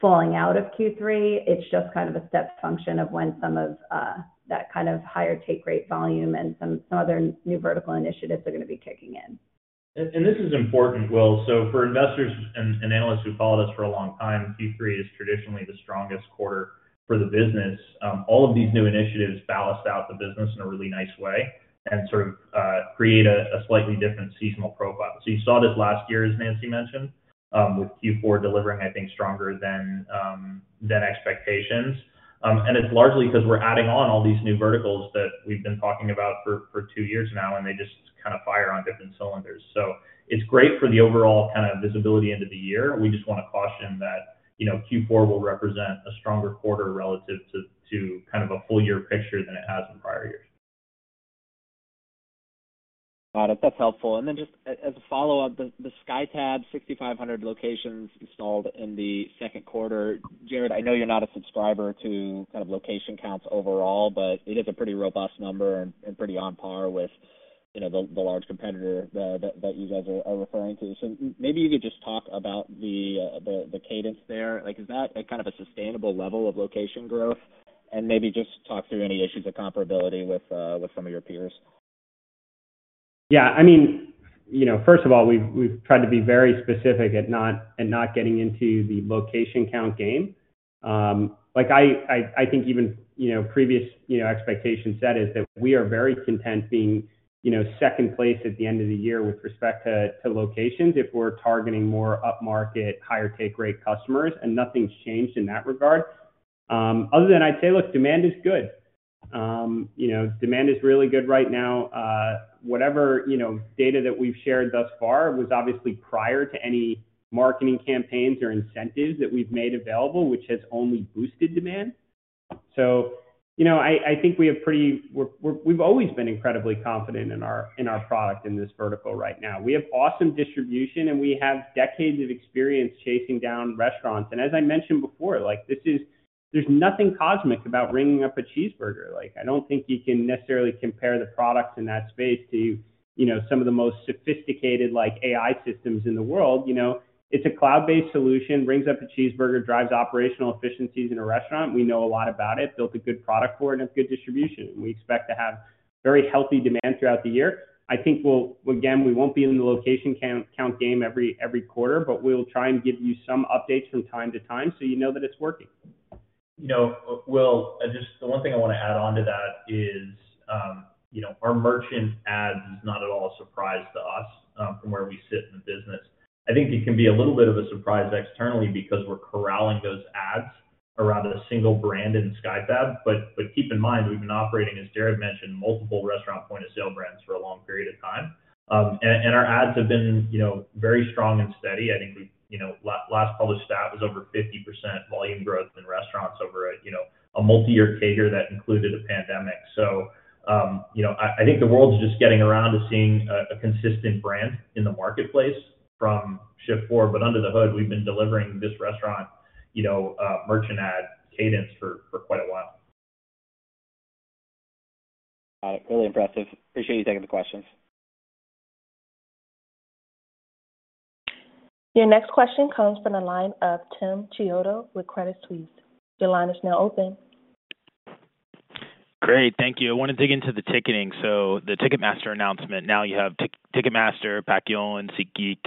falling out of Q3, it's just kind of a step function of when some of that kind of higher take rate volume and some, some other new vertical initiatives are going to be kicking in. This is important, Will. For investors and analysts who followed us for a long time, Q3 is traditionally the strongest quarter for the business. All of these new initiatives ballast out the business in a really nice way and sort of create a slightly different seasonal profile. You saw this last year, as Nancy mentioned, with Q4 delivering, I think, stronger than expectations. It's largely because we're adding on all these new verticals that we've been talking about for two years now, and they just kind of fire on different cylinders. It's great for the overall kind of visibility into the year. We just want to caution that, you know, Q4 will represent a stronger quarter relative to a full year picture than it has in prior years. Got it. That's helpful. Just a, as a follow-up, the SkyTab, 6,500 locations installed in the second quarter. Jared, I know you're not a subscriber to kind of location counts overall, but it is a pretty robust number and pretty on par with, you know, the large competitor that you guys are referring to. Maybe you could just talk about the cadence there. Like, is that a kind of a sustainable level of location growth? Maybe just talk through any issues of comparability with some of your peers. Yeah, I mean, you know, first of all, we've, we've tried to be very specific at not, and not getting into the location count game. Like, I, I, I think even, you know, previous, you know, expectation set is that we are very content being, you know, second place at the end of the year with respect to, to locations if we're targeting more upmarket, higher take rate customers, and nothing's changed in that regard. Other than I'd say, look, demand is good. You know, demand is really good right now. Whatever, you know, data that we've shared thus far was obviously prior to any marketing campaigns or incentives that we've made available, which has only boosted demand. You know, I, I think we have pretty, we're, we're, we've always been incredibly confident in our, in our product in this vertical right now. We have awesome distribution, and we have decades of experience chasing down restaurants. As I mentioned before, like, there's nothing cosmic about ringing up a cheeseburger. I don't think you can necessarily compare the products in that space to, you know, some of the most sophisticated, like, AI systems in the world. It's a cloud-based solution, rings up a cheeseburger, drives operational efficiencies in a restaurant. We know a lot about it, built a good product for it, and it's good distribution. We expect to have very healthy demand throughout the year. I think Again, we won't be in the location count, count game every, every quarter, but we'll try and give you some updates from time to time so you know that it's working. You know, Will, just the one thing I want to add on to that is, you know, our merchant ads is not at all a surprise to us, from where we sit in the business. I think it can be a little bit of a surprise externally because we're corralling those ads around a single brand in SkyTab. Keep in mind, we've been operating, as Jared mentioned, multiple restaurant point-of-sale brands for a long period of time. Our ads have been, you know, very strong and steady. I think we've. You know, last published stat was over 50% volume growth in restaurants over a, you know, a multi-year tenure that included a pandemic. You know, I, I think the world's just getting around to seeing a, a consistent brand in the marketplace from Shift4, but under the hood, we've been delivering this restaurant, you know, merchant ad cadence for, for quite a while. Got it. Really impressive. Appreciate you taking the questions. Your next question comes from the line of Tim Chiodo with Credit Suisse. Your line is now open. Great. Thank you. I want to dig into the ticketing. The Ticketmaster announcement, now you have Ticketmaster, Paciolan, and SeatGeek.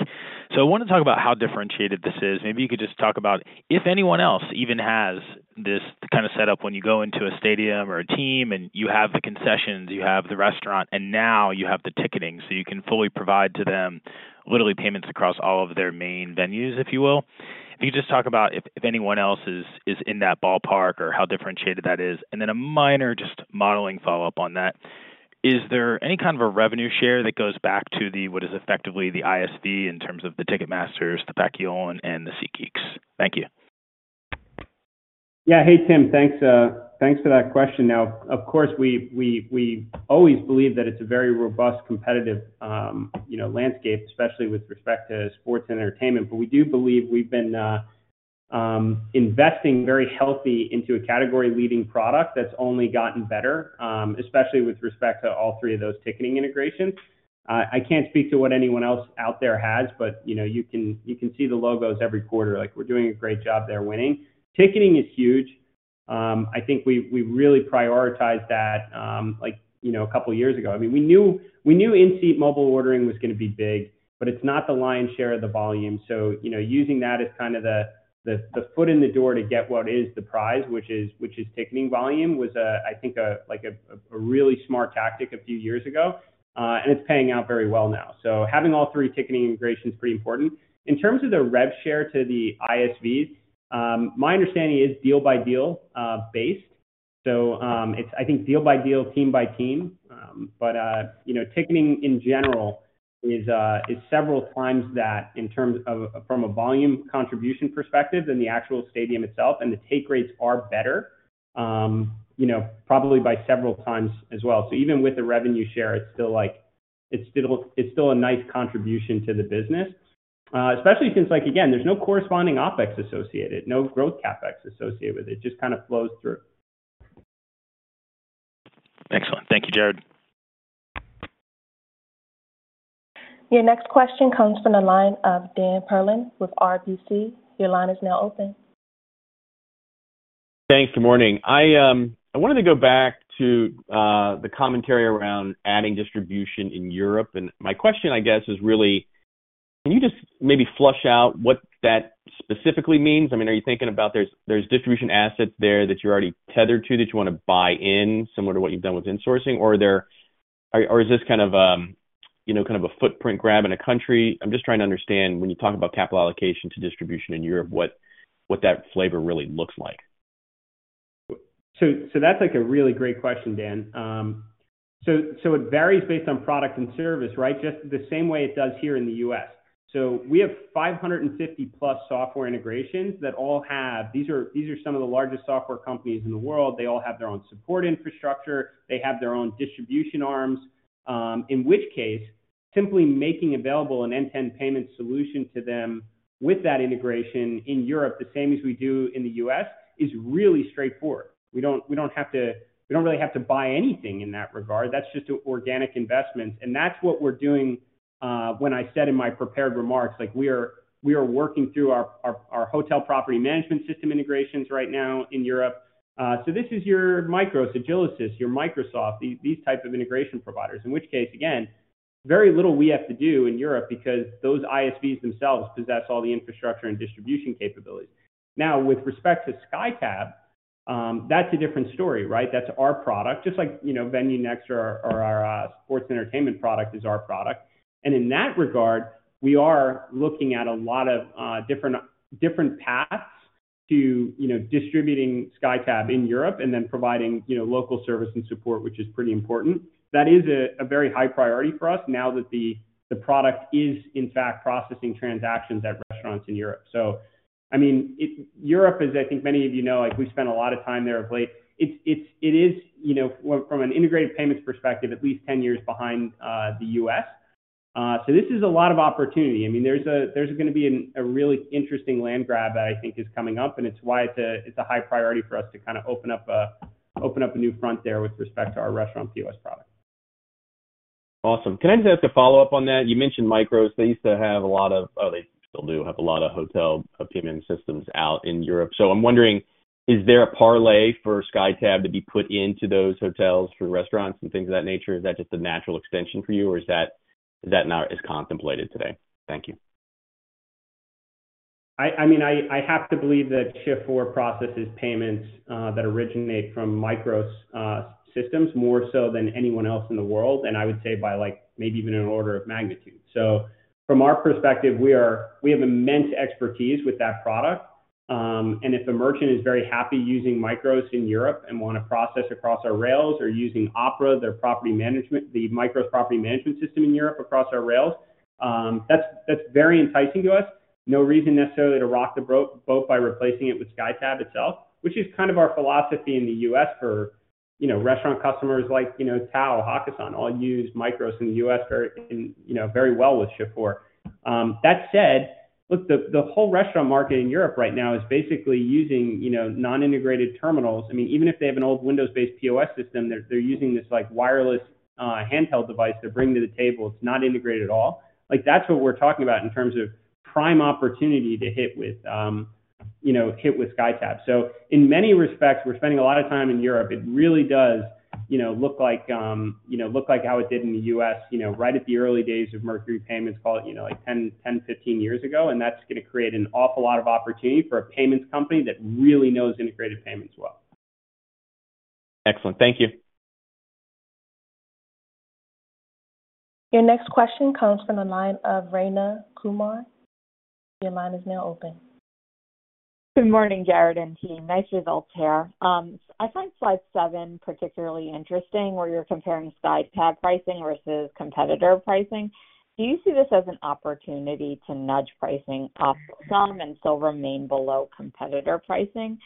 I want to talk about how differentiated this is. Maybe you could just talk about if anyone else even has this kind of setup when you go into a stadium or a team, and you have the concessions, you have the restaurant, and now you have the ticketing. You can fully provide to them, literally payments across all of their main venues, if you will. If you could just talk about if anyone else is in that ballpark or how differentiated that is. And then a minor, just modeling follow-up on that, is there any kind of a revenue share that goes back to the, what is effectively the ISV in terms of the Ticketmasters, the Paciolan, and the SeatGeeks? Thank you. Yeah. Hey, Tim. Thanks, thanks for that question. Of course, we, we, we always believe that it's a very robust, competitive, you know, landscape, especially with respect to sports and entertainment. We do believe we've been investing very healthy into a category-leading product that's only gotten better, especially with respect to all three of those ticketing integrations. I can't speak to what anyone else out there has, but, you know, you can, you can see the logos every quarter. Like, we're doing a great job there winning. Ticketing is huge. I think we, we really prioritized that, like, you know, a couple of years ago. I mean, we knew, we knew in-seat mobile ordering was going to be big, but it's not the lion's share of the volume. You know, using that as kind of the, the, the foot in the door to get what is the prize, which is, which is ticketing volume, was a, I think, like a really smart tactic a few years ago. And it's paying out very well now. Having all three ticketing integration is pretty important. In terms of the rev share to the ISVs, my understanding is deal-by-deal based. It's, I think, deal by deal, team by team. But, you know, ticketing in general is several times that in terms of from a volume contribution perspective than the actual stadium itself, and the take rates are better, you know, probably by several times as well. Even with the revenue share, it's still like, it's still, it's still a nice contribution to the business. Especially since, like, again, there's no corresponding OpEx associated, no growth CapEx associated with it. It just kind of flows through. Excellent. Thank you, Jared. Your next question comes from the line of Dan Perlin with RBC. Your line is now open. Thanks. Good morning. I, I wanted to go back to the commentary around adding distribution in Europe. My question, I guess, is really, can you just maybe flush out what that specifically means? I mean, are you thinking about there's, there's distribution assets there that you're already tethered to that you want to buy in, similar to what you've done with insourcing? Or, or is this kind of a, you know, kind of a footprint grab in a country? I'm just trying to understand, when you talk about capital allocation to distribution in Europe, what, what that flavor really looks like. That's, like, a really great question, Dan. It varies based on product and service, right? Just the same way it does here in the U.S. We have 550+ software integrations that all have, these are, these are some of the largest software companies in the world. They all have their own support infrastructure. They have their own distribution arms, in which case, simply making available an end-to-end payment solution to them with that integration in Europe, the same as we do in the U.S., is really straightforward. We don't, we don't have to, we don't really have to buy anything in that regard. That's just organic investments, and that's what we're doing when I said in my prepared remarks, like, we are, we are working through our, our, our hotel property management system integrations right now in Europe. This is your MICROS, Agilysys, your Microsoft, these type of integration providers. In which case, again, very little we have to do in Europe because those ISVs themselves possess all the infrastructure and distribution capabilities. With respect to SkyTab, that's a different story, right? That's our product, just like, you know, VenueNext or our, or our sports entertainment product is our product. In that regard, we are looking at a lot of different, different paths to, you know, distributing SkyTab in Europe and then providing, you know, local service and support, which is pretty important. That is a very high priority for us now that the product is, in fact, processing transactions at restaurants in Europe. I mean, it. Europe, as I think many of you know, like, we spent a lot of time there of late. It's, it's, it is, you know, from an integrated payments perspective, at least 10 years behind the U.S. This is a lot of opportunity. I mean, there's a, there's going to be an, a really interesting land grab I think is coming up, and it's why it's a, it's a high priority for us to kind of open up a, open up a new front there with respect to our restaurant POS product. Awesome. Can I just ask a follow-up on that? You mentioned MICROS. They used to have a lot of, oh, they still do have a lot of hotel PM systems out in Europe. I'm wondering, is there a parlay for SkyTab to be put into those hotels through restaurants and things of that nature? Is that just a natural extension for you, or is that, is that not as contemplated today? Thank you. I, I mean, I, I have to believe that Shift4 processes payments that originate from MICROS systems more so than anyone else in the world, and I would say by like maybe even an order of magnitude. From our perspective, we have immense expertise with that product. And if the merchant is very happy using MICROS in Europe and want to process across our rails or using OPERA, their property management, the MICROS property management system in Europe, across our rails, that's, that's very enticing to us. No reason necessarily to rock the boat, boat by replacing it with SkyTab itself, which is kind of our philosophy in the U.S. for, you know, restaurant customers like, you know, TAO, Hakkasan, all use MICROS in the U.S. very, you know, very well with Shift4. That said, look, the, the whole restaurant market in Europe right now is basically using, you know, non-integrated terminals. I mean, even if they have an old Windows-based POS system, they're, they're using this, like, wireless handheld device to bring to the table. It's not integrated at all. Like, that's what we're talking about in terms of prime opportunity to hit with, you know, hit with SkyTab. In many respects, we're spending a lot of time in Europe. It really does, you know, look like, you know, look like how it did in the U.S., you know, right at the early days of Mercury Payments, call it, you know, like 10, 10, 15 years ago, and that's going to create an awful lot of opportunity for a payments company that really knows integrated payments well. Excellent. Thank you. Your next question comes from the line of Rayna Kumar. Your line is now open. Good morning, Jared and team. Nice results here. I find slide seven particularly interesting, where you're comparing SkyTab pricing versus competitor pricing. Do you see this as an opportunity to nudge pricing up some and still remain below competitor pricing?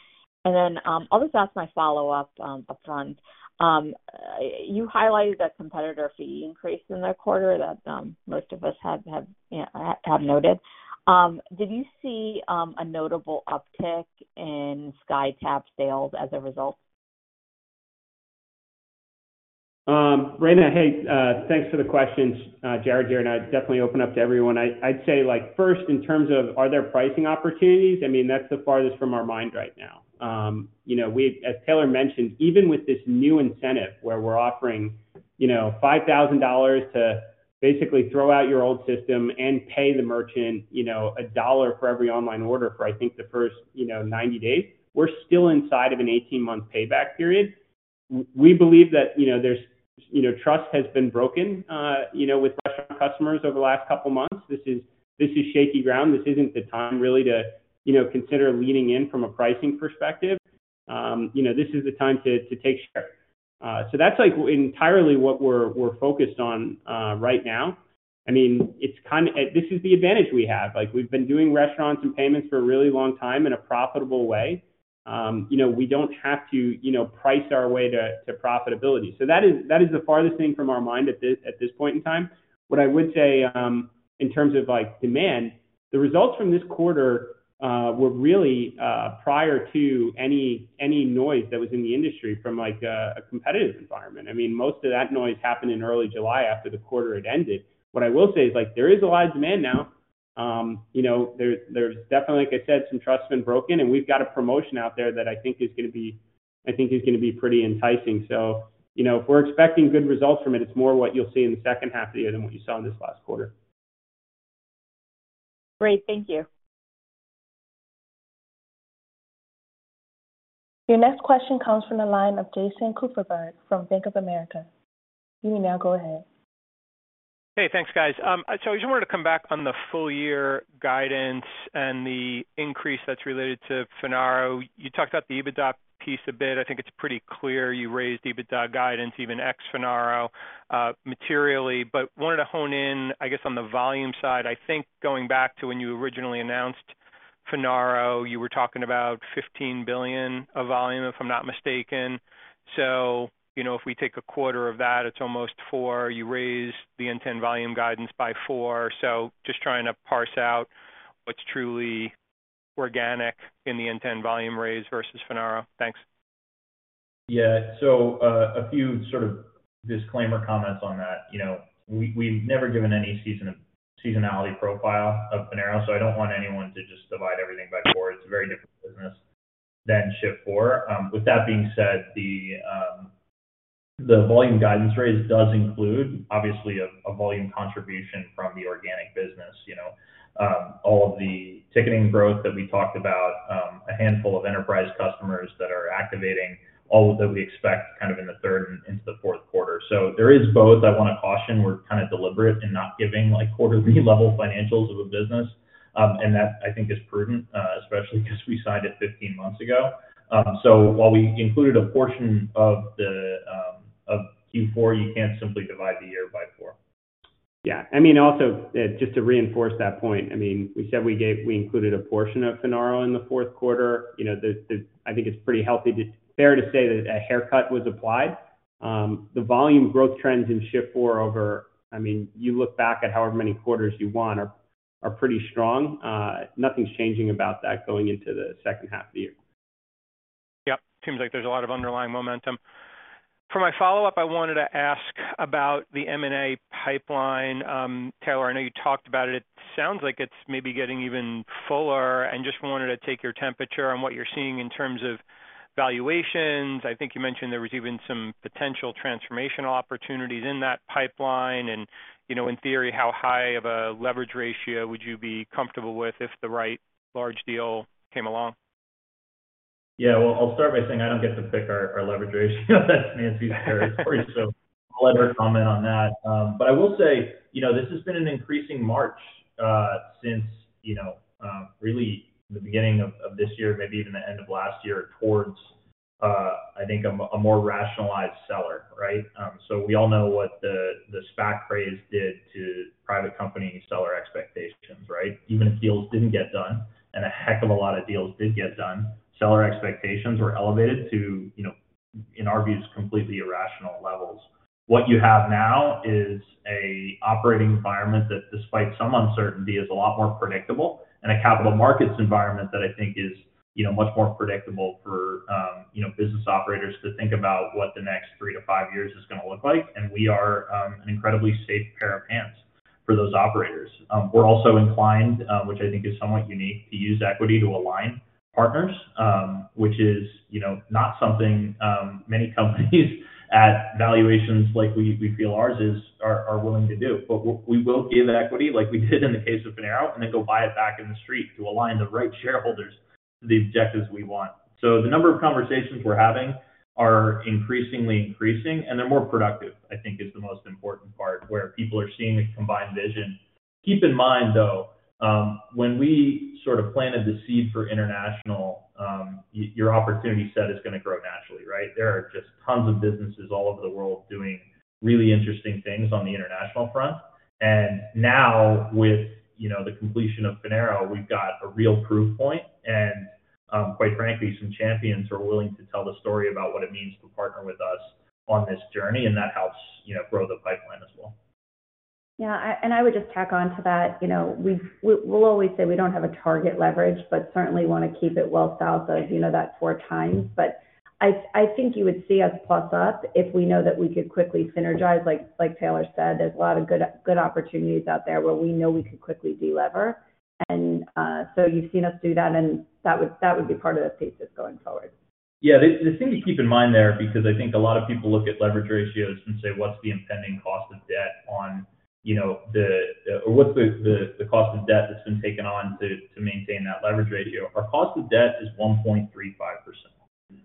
Then, I'll just ask my follow-up upfront. You highlighted that competitor fee increase in the quarter that most of us have, have, have noted. Did you see a notable uptick in SkyTab sales as a result? Raina, hey, thanks for the questions. Jared, Jared, I definitely open up to everyone. I, I'd say, like, first, in terms of, are there pricing opportunities? I mean, that's the farthest from our mind right now. You know, we, as Taylor mentioned, even with this new incentive, where we're offering, you know, $5,000 to basically throw out your old system and pay the merchant, you know, $1 for every online order for, I think, the first, you know, 90 days, we're still inside of an 18-month payback period. We believe that, you know, there's, you know, trust has been broken, you know, with restaurant customers over the last couple of months. This is, this is shaky ground. This isn't the time, really, to, you know, consider leaning in from a pricing perspective. You know, this is the time to, to take share. That's, like, entirely what we're, we're focused on, right now. I mean, this is the advantage we have. Like, we've been doing restaurants and payments for a really long time in a profitable way. you know, we don't have to, you know, price our way to, to profitability. That is, that is the farthest thing from our mind at this, at this point in time. What I would say, in terms of, like, demand, the results from this quarter, were really, prior to any, any noise that was in the industry from, like, a, a competitive environment. I mean, most of that noise happened in early July after the quarter had ended. What I will say is, like, there is a lot of demand now. You know, there's, there's definitely, like I said, some trust been broken. We've got a promotion out there that I think is gonna be, I think is gonna be pretty enticing. You know, we're expecting good results from it. It's more what you'll see in the second half of the year than what you saw in this last quarter. Great. Thank you. Your next question comes from the line of Jason Kupferberg from Bank of America. You may now go ahead. Hey, thanks, guys. I just wanted to come back on the full year guidance and the increase that's related to Finaro. You talked about the EBITDA piece a bit. I think it's pretty clear you raised EBITDA guidance, even ex-Finaro, materially, but wanted to hone in, I guess, on the volume side. I think going back to when you originally announced Finaro, you were talking about $15 billion of volume, if I'm not mistaken. You know, if we take a quarter of that, it's almost $4 billion. You raise the intent volume guidance by $4 billion. Just trying to parse out what's truly organic in the intent volume raise versus Finaro. Thanks. Yeah. A few sort of disclaimer comments on that. You know, we, we've never given any seasonality profile of Finaro, so I don't want anyone to just divide everything by four. It's a very different business than Shift4. With that being said, the, the volume guidance raise does include, obviously, a, a volume contribution from the organic business. You know, all of the ticketing growth that we talked about, a handful of enterprise customers that are activating, all that we expect kind of in the third and into the fourth quarter. There is both. I want to caution, we're kinda deliberate in not giving, like, quarterly level financials of a business. And that, I think, is prudent, especially because we signed it 15 months ago. While we included a portion of the of Q4, you can't simply divide the year by four. Yeah. I mean, also, just to reinforce that point, I mean, we said we included a portion of Finaro in the fourth quarter. You know, I think it's pretty healthy fair to say that a haircut was applied. The volume growth trends in Shift4 over, I mean, you look back at however many quarters you want, are, are pretty strong. Nothing's changing about that going into the second half of the year. Yep. Seems like there's a lot of underlying momentum. For my follow-up, I wanted to ask about the M&A pipeline. Taylor, I know you talked about it. It sounds like it's maybe getting even fuller, and just wanted to take your temperature on what you're seeing in terms of valuations. I think you mentioned there was even some potential transformational opportunities in that pipeline, and, you know, in theory, how high of a leverage ratio would you be comfortable with if the right large deal came along? Well, I'll start by saying I don't get to pick our, our leverage ratio. That's Nancy's territory. I'll let her comment on that. I will say, you know, this has been an increasing march, since, you know, really the beginning of, of this year, maybe even the end of last year, towards, I think, a more, a more rationalized seller, right? We all know what the, the SPAC craze did to private company seller expectations, right? Even if deals didn't get done, and a heck of a lot of deals did get done, seller expectations were elevated to, you know, in our views, completely irrational levels. What you have now is a operating environment that, despite some uncertainty, is a lot more predictable, and a capital markets environment that I think is, you know, much more predictable for, you know, business operators to think about what the next three to five years is gonna look like. We are an incredibly safe pair of hands for those operators. We're also inclined, which I think is somewhat unique, to use equity to align partners, which is, you know, not something many companies at valuations like we, we feel ours is, are, are willing to do. We will give equity like we did in the case of Finaro, and then go buy it back in the street to align the right shareholders to the objectives we want. The number of conversations we're having are increasingly increasing, and they're more productive, I think is the most important part, where people are seeing a combined vision. Keep in mind, though, when we sort of planted the seed for international, your opportunity set is gonna grow naturally, right? There are just tons of businesses all over the world doing really interesting things on the international front. Now, with, you know, the completion of Finaro, we've got a real proof point, and, quite frankly, some champions are willing to tell the story about what it means to partner with us on this journey, and that helps, you know, grow the pipeline as well. Yeah, I would just tack on to that. You know, we'll always say we don't have a target leverage, but certainly want to keep it well south of, you know, that 4x. I think you would see us plus up if we know that we could quickly synergize. Like Taylor said, there's a lot of good, good opportunities out there where we know we could quickly delever. You've seen us do that, and that would, that would be part of the thesis going forward. Yeah, the thing to keep in mind there, because I think a lot of people look at leverage ratios and say, what's the impending cost of debt on, or what's the cost of debt that's been taken on to, to maintain that leverage ratio? Our cost of debt is 1.35%.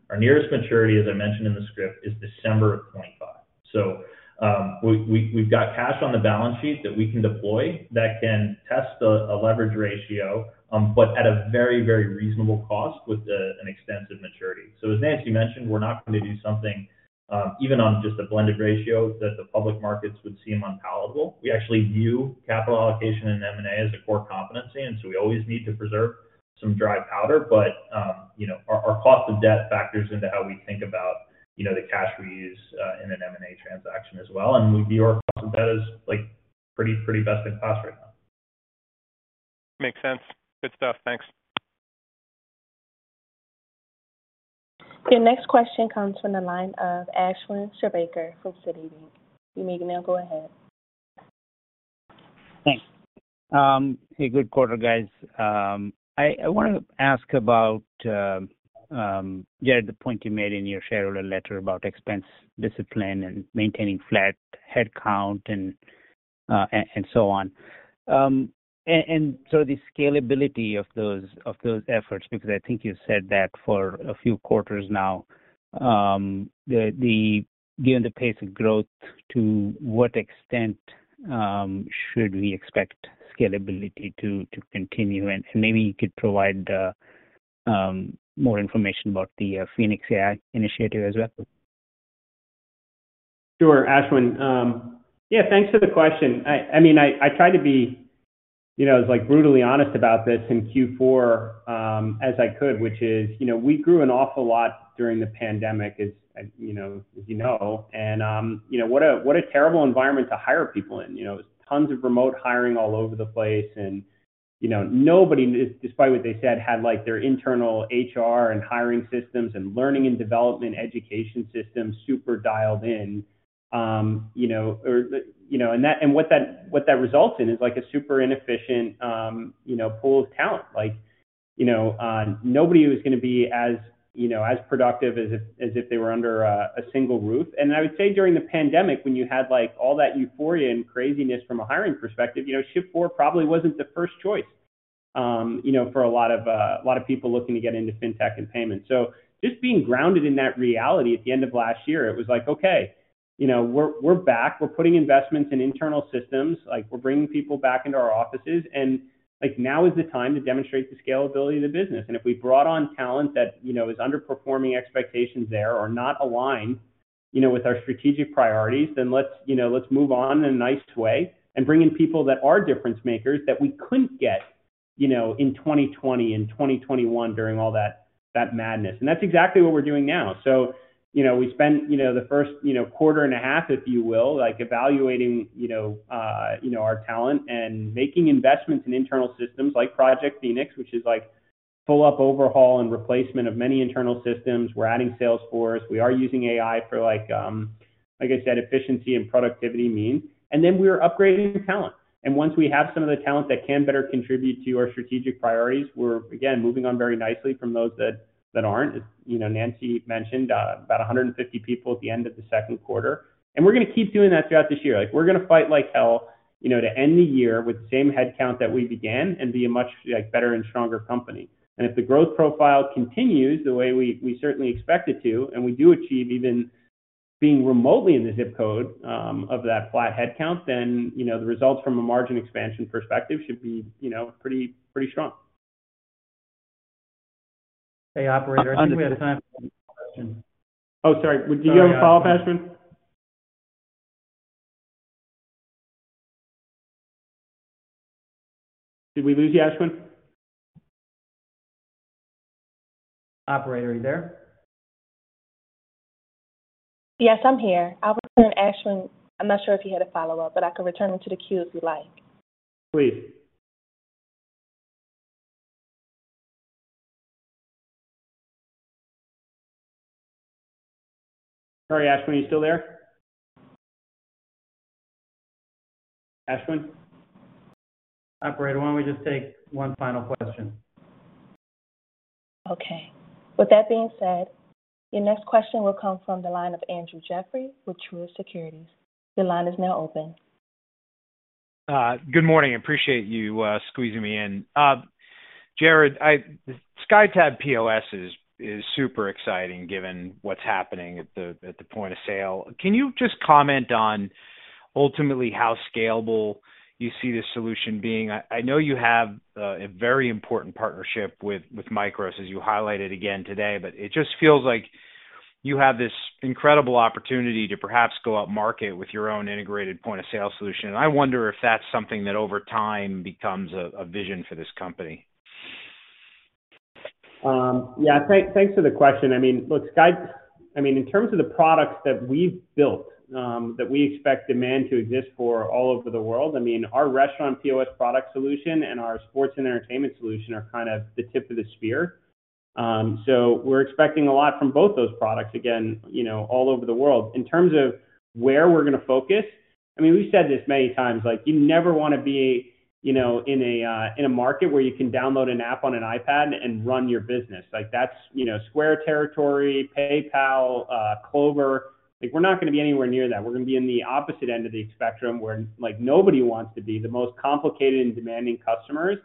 Our nearest maturity, as I mentioned in the script, is December of 25. We, we've got cash on the balance sheet that we can deploy that can test a leverage ratio, but at a very, very reasonable cost with a, an extensive maturity. As Nancy mentioned, we're not going to do something, even on just a blended ratio, that the public markets would seem unpalatable. We actually view capital allocation and M&A as a core competency, and so we always need to preserve some dry powder. You know, our, our cost of debt factors into how we think about, you know, the cash we use in an M&A transaction as well. Our cost of debt is, like, pretty, pretty best in class right now. Makes sense. Good stuff. Thanks. Your next question comes from the line of Ashwin Shirvaikar from Citibank. You may now go ahead. Thanks. A good quarter, guys. I wanted to ask about, yeah, the point you made in your shareholder letter about expense discipline and maintaining flat headcount and, and so on. So the scalability of those, of those efforts, because I think you've said that for a few quarters now. The given the pace of growth, to what extent, should we expect scalability to, to continue? Maybe you could provide more information about the Phoenix AI initiative as well. Sure, Ashwin. Yeah, thanks for the question. I, I mean, I, I try to be, you know, like, brutally honest about this in Q4, as I could, which is, you know, we grew an awful lot during the pandemic, as, you know, as you know. What a, what a terrible environment to hire people in. You know, tons of remote hiring all over the place and, you know, nobody, despite what they said, had, like, their internal HR and hiring systems and learning and development education systems super dialed in. You know, what that, what that results in is, like, a super inefficient, you know, pool of talent. Like, you know, nobody was going to be as, you know, as productive as if, as if they were under a, a single roof. I would say, during the pandemic, when you had, like, all that euphoria and craziness from a hiring perspective, you know, Shift4 probably wasn't the first choice, you know, for a lot of, lot of people looking to get into fintech and payments. Just being grounded in that reality at the end of last year, it was like, okay, you know, we're, we're back. We're putting investments in internal systems, like, we're bringing people back into our offices, and, like, now is the time to demonstrate the scalability of the business. If we brought on talent that, you know, is underperforming expectations there or not aligned, you know, with our strategic priorities, then let's, you know, let's move on in a nice way and bring in people that are difference makers that we couldn't get, you know, in 2020 and 2021 during all that, that madness. That's exactly what we're doing now. You know, we spent, you know, the first, you know, quarter and a half, if you will, like, evaluating, you know, you know, our talent and making investments in internal systems like Project Phoenix, which is like full up overhaul and replacement of many internal systems. We're adding Salesforce. We are using AI for like, like I said, efficiency and productivity means. Then we are upgrading talent. Once we have some of the talent that can better contribute to our strategic priorities, we're again, moving on very nicely from those that, that aren't. You know, Nancy mentioned about 150 people at the end of the second quarter, and we're going to keep doing that throughout this year. Like, we're going to fight like hell, you know, to end the year with the same headcount that we began and be a much, like, better and stronger company. If the growth profile continues the way we, we certainly expect it to, and we do achieve even being remotely in the ZIP code of that flat headcount, then, you know, the results from a margin expansion perspective should be, you know, pretty, pretty strong. Hey, operator, I think we have time for one more question. Oh, sorry. Did you have a follow-up, Ashwin? Did we lose you, Ashwin? Operator, are you there? Yes, I'm here. I was telling Ashwin I'm not sure if he had a follow-up, but I can return him to the queue if you like. Please. Sorry, Ashwin, are you still there? Ashwin? Operator, why don't we just take one final question? Okay. With that being said, your next question will come from the line of Andrew Jeffrey with Truist Securities. The line is now open. Good morning. Appreciate you squeezing me in. Jared, SkyTab POS is super exciting, given what's happening at the point of sale. Can you just comment on ultimately how scalable you see this solution being? I know you have a very important partnership with MICROS, as you highlighted again today, but it just feels like you have this incredible opportunity to perhaps go upmarket with your own integrated point-of-sale solution. I wonder if that's something that over time becomes a vision for this company. Yeah, thank, thanks for the question. I mean, look, SkyTab, I mean, in terms of the products that we've built, that we expect demand to exist for all over the world, I mean, our restaurant POS product solution and our sports and entertainment solution are kind of the tip of the spear. We're expecting a lot from both those products, again, you know, all over the world. In terms of where we're gonna focus, I mean, we've said this many times, like, you never wanna be, you know, in a market where you can download an app on an iPad and run your business. Like, that's, you know, Square territory, PayPal, Clover. Like, we're not gonna be anywhere near that. We're gonna be in the opposite end of the spectrum, where, like, nobody wants to be, the most complicated and demanding customers.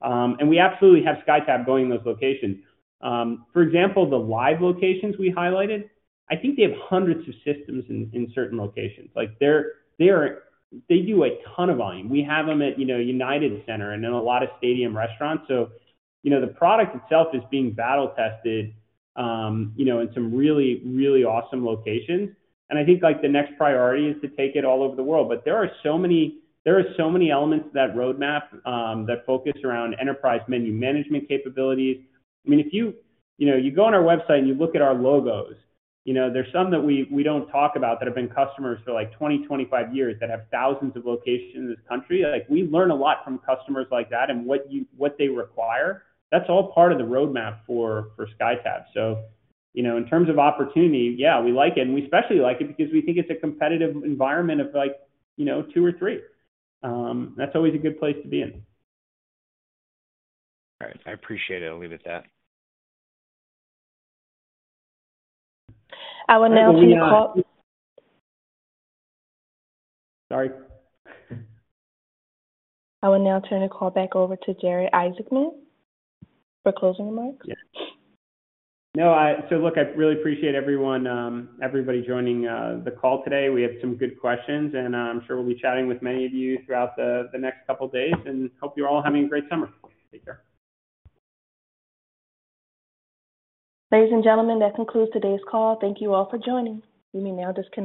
We absolutely have SkyTab going in those locations. For example, the live locations we highlighted, I think they have hundreds of systems in, in certain locations. Like, they do a ton of volume. We have them at, you know, United Center and in a lot of stadium restaurants. You know, the product itself is being battle tested, you know, in some really, really awesome locations, and I think, like, the next priority is to take it all over the world. There are so many, there are so many elements to that roadmap, that focus around enterprise menu management capabilities. I mean, if you, you know, you go on our website and you look at our logos, you know, there's some that we, we don't talk about that have been customers for, like, 20, 25 years, that have thousands of locations in this country. Like, we learn a lot from customers like that and what they require. That's all part of the roadmap for, for SkyTab. In terms of opportunity, yeah, we like it, and we especially like it because we think it's a competitive environment of like, you know, two or three. That's always a good place to be in. All right. I appreciate it. I'll leave it at that. I will now turn the call. Sorry. I will now turn the call back over to Jared Isaacman for closing remarks. Yeah. No, I, so look, I really appreciate everyone, everybody joining the call today. We had some good questions, and I'm sure we'll be chatting with many of you throughout the, the next couple days, and hope you're all having a great summer. Take care. Ladies and gentlemen, that concludes today's call. Thank you all for joining. You may now disconnect.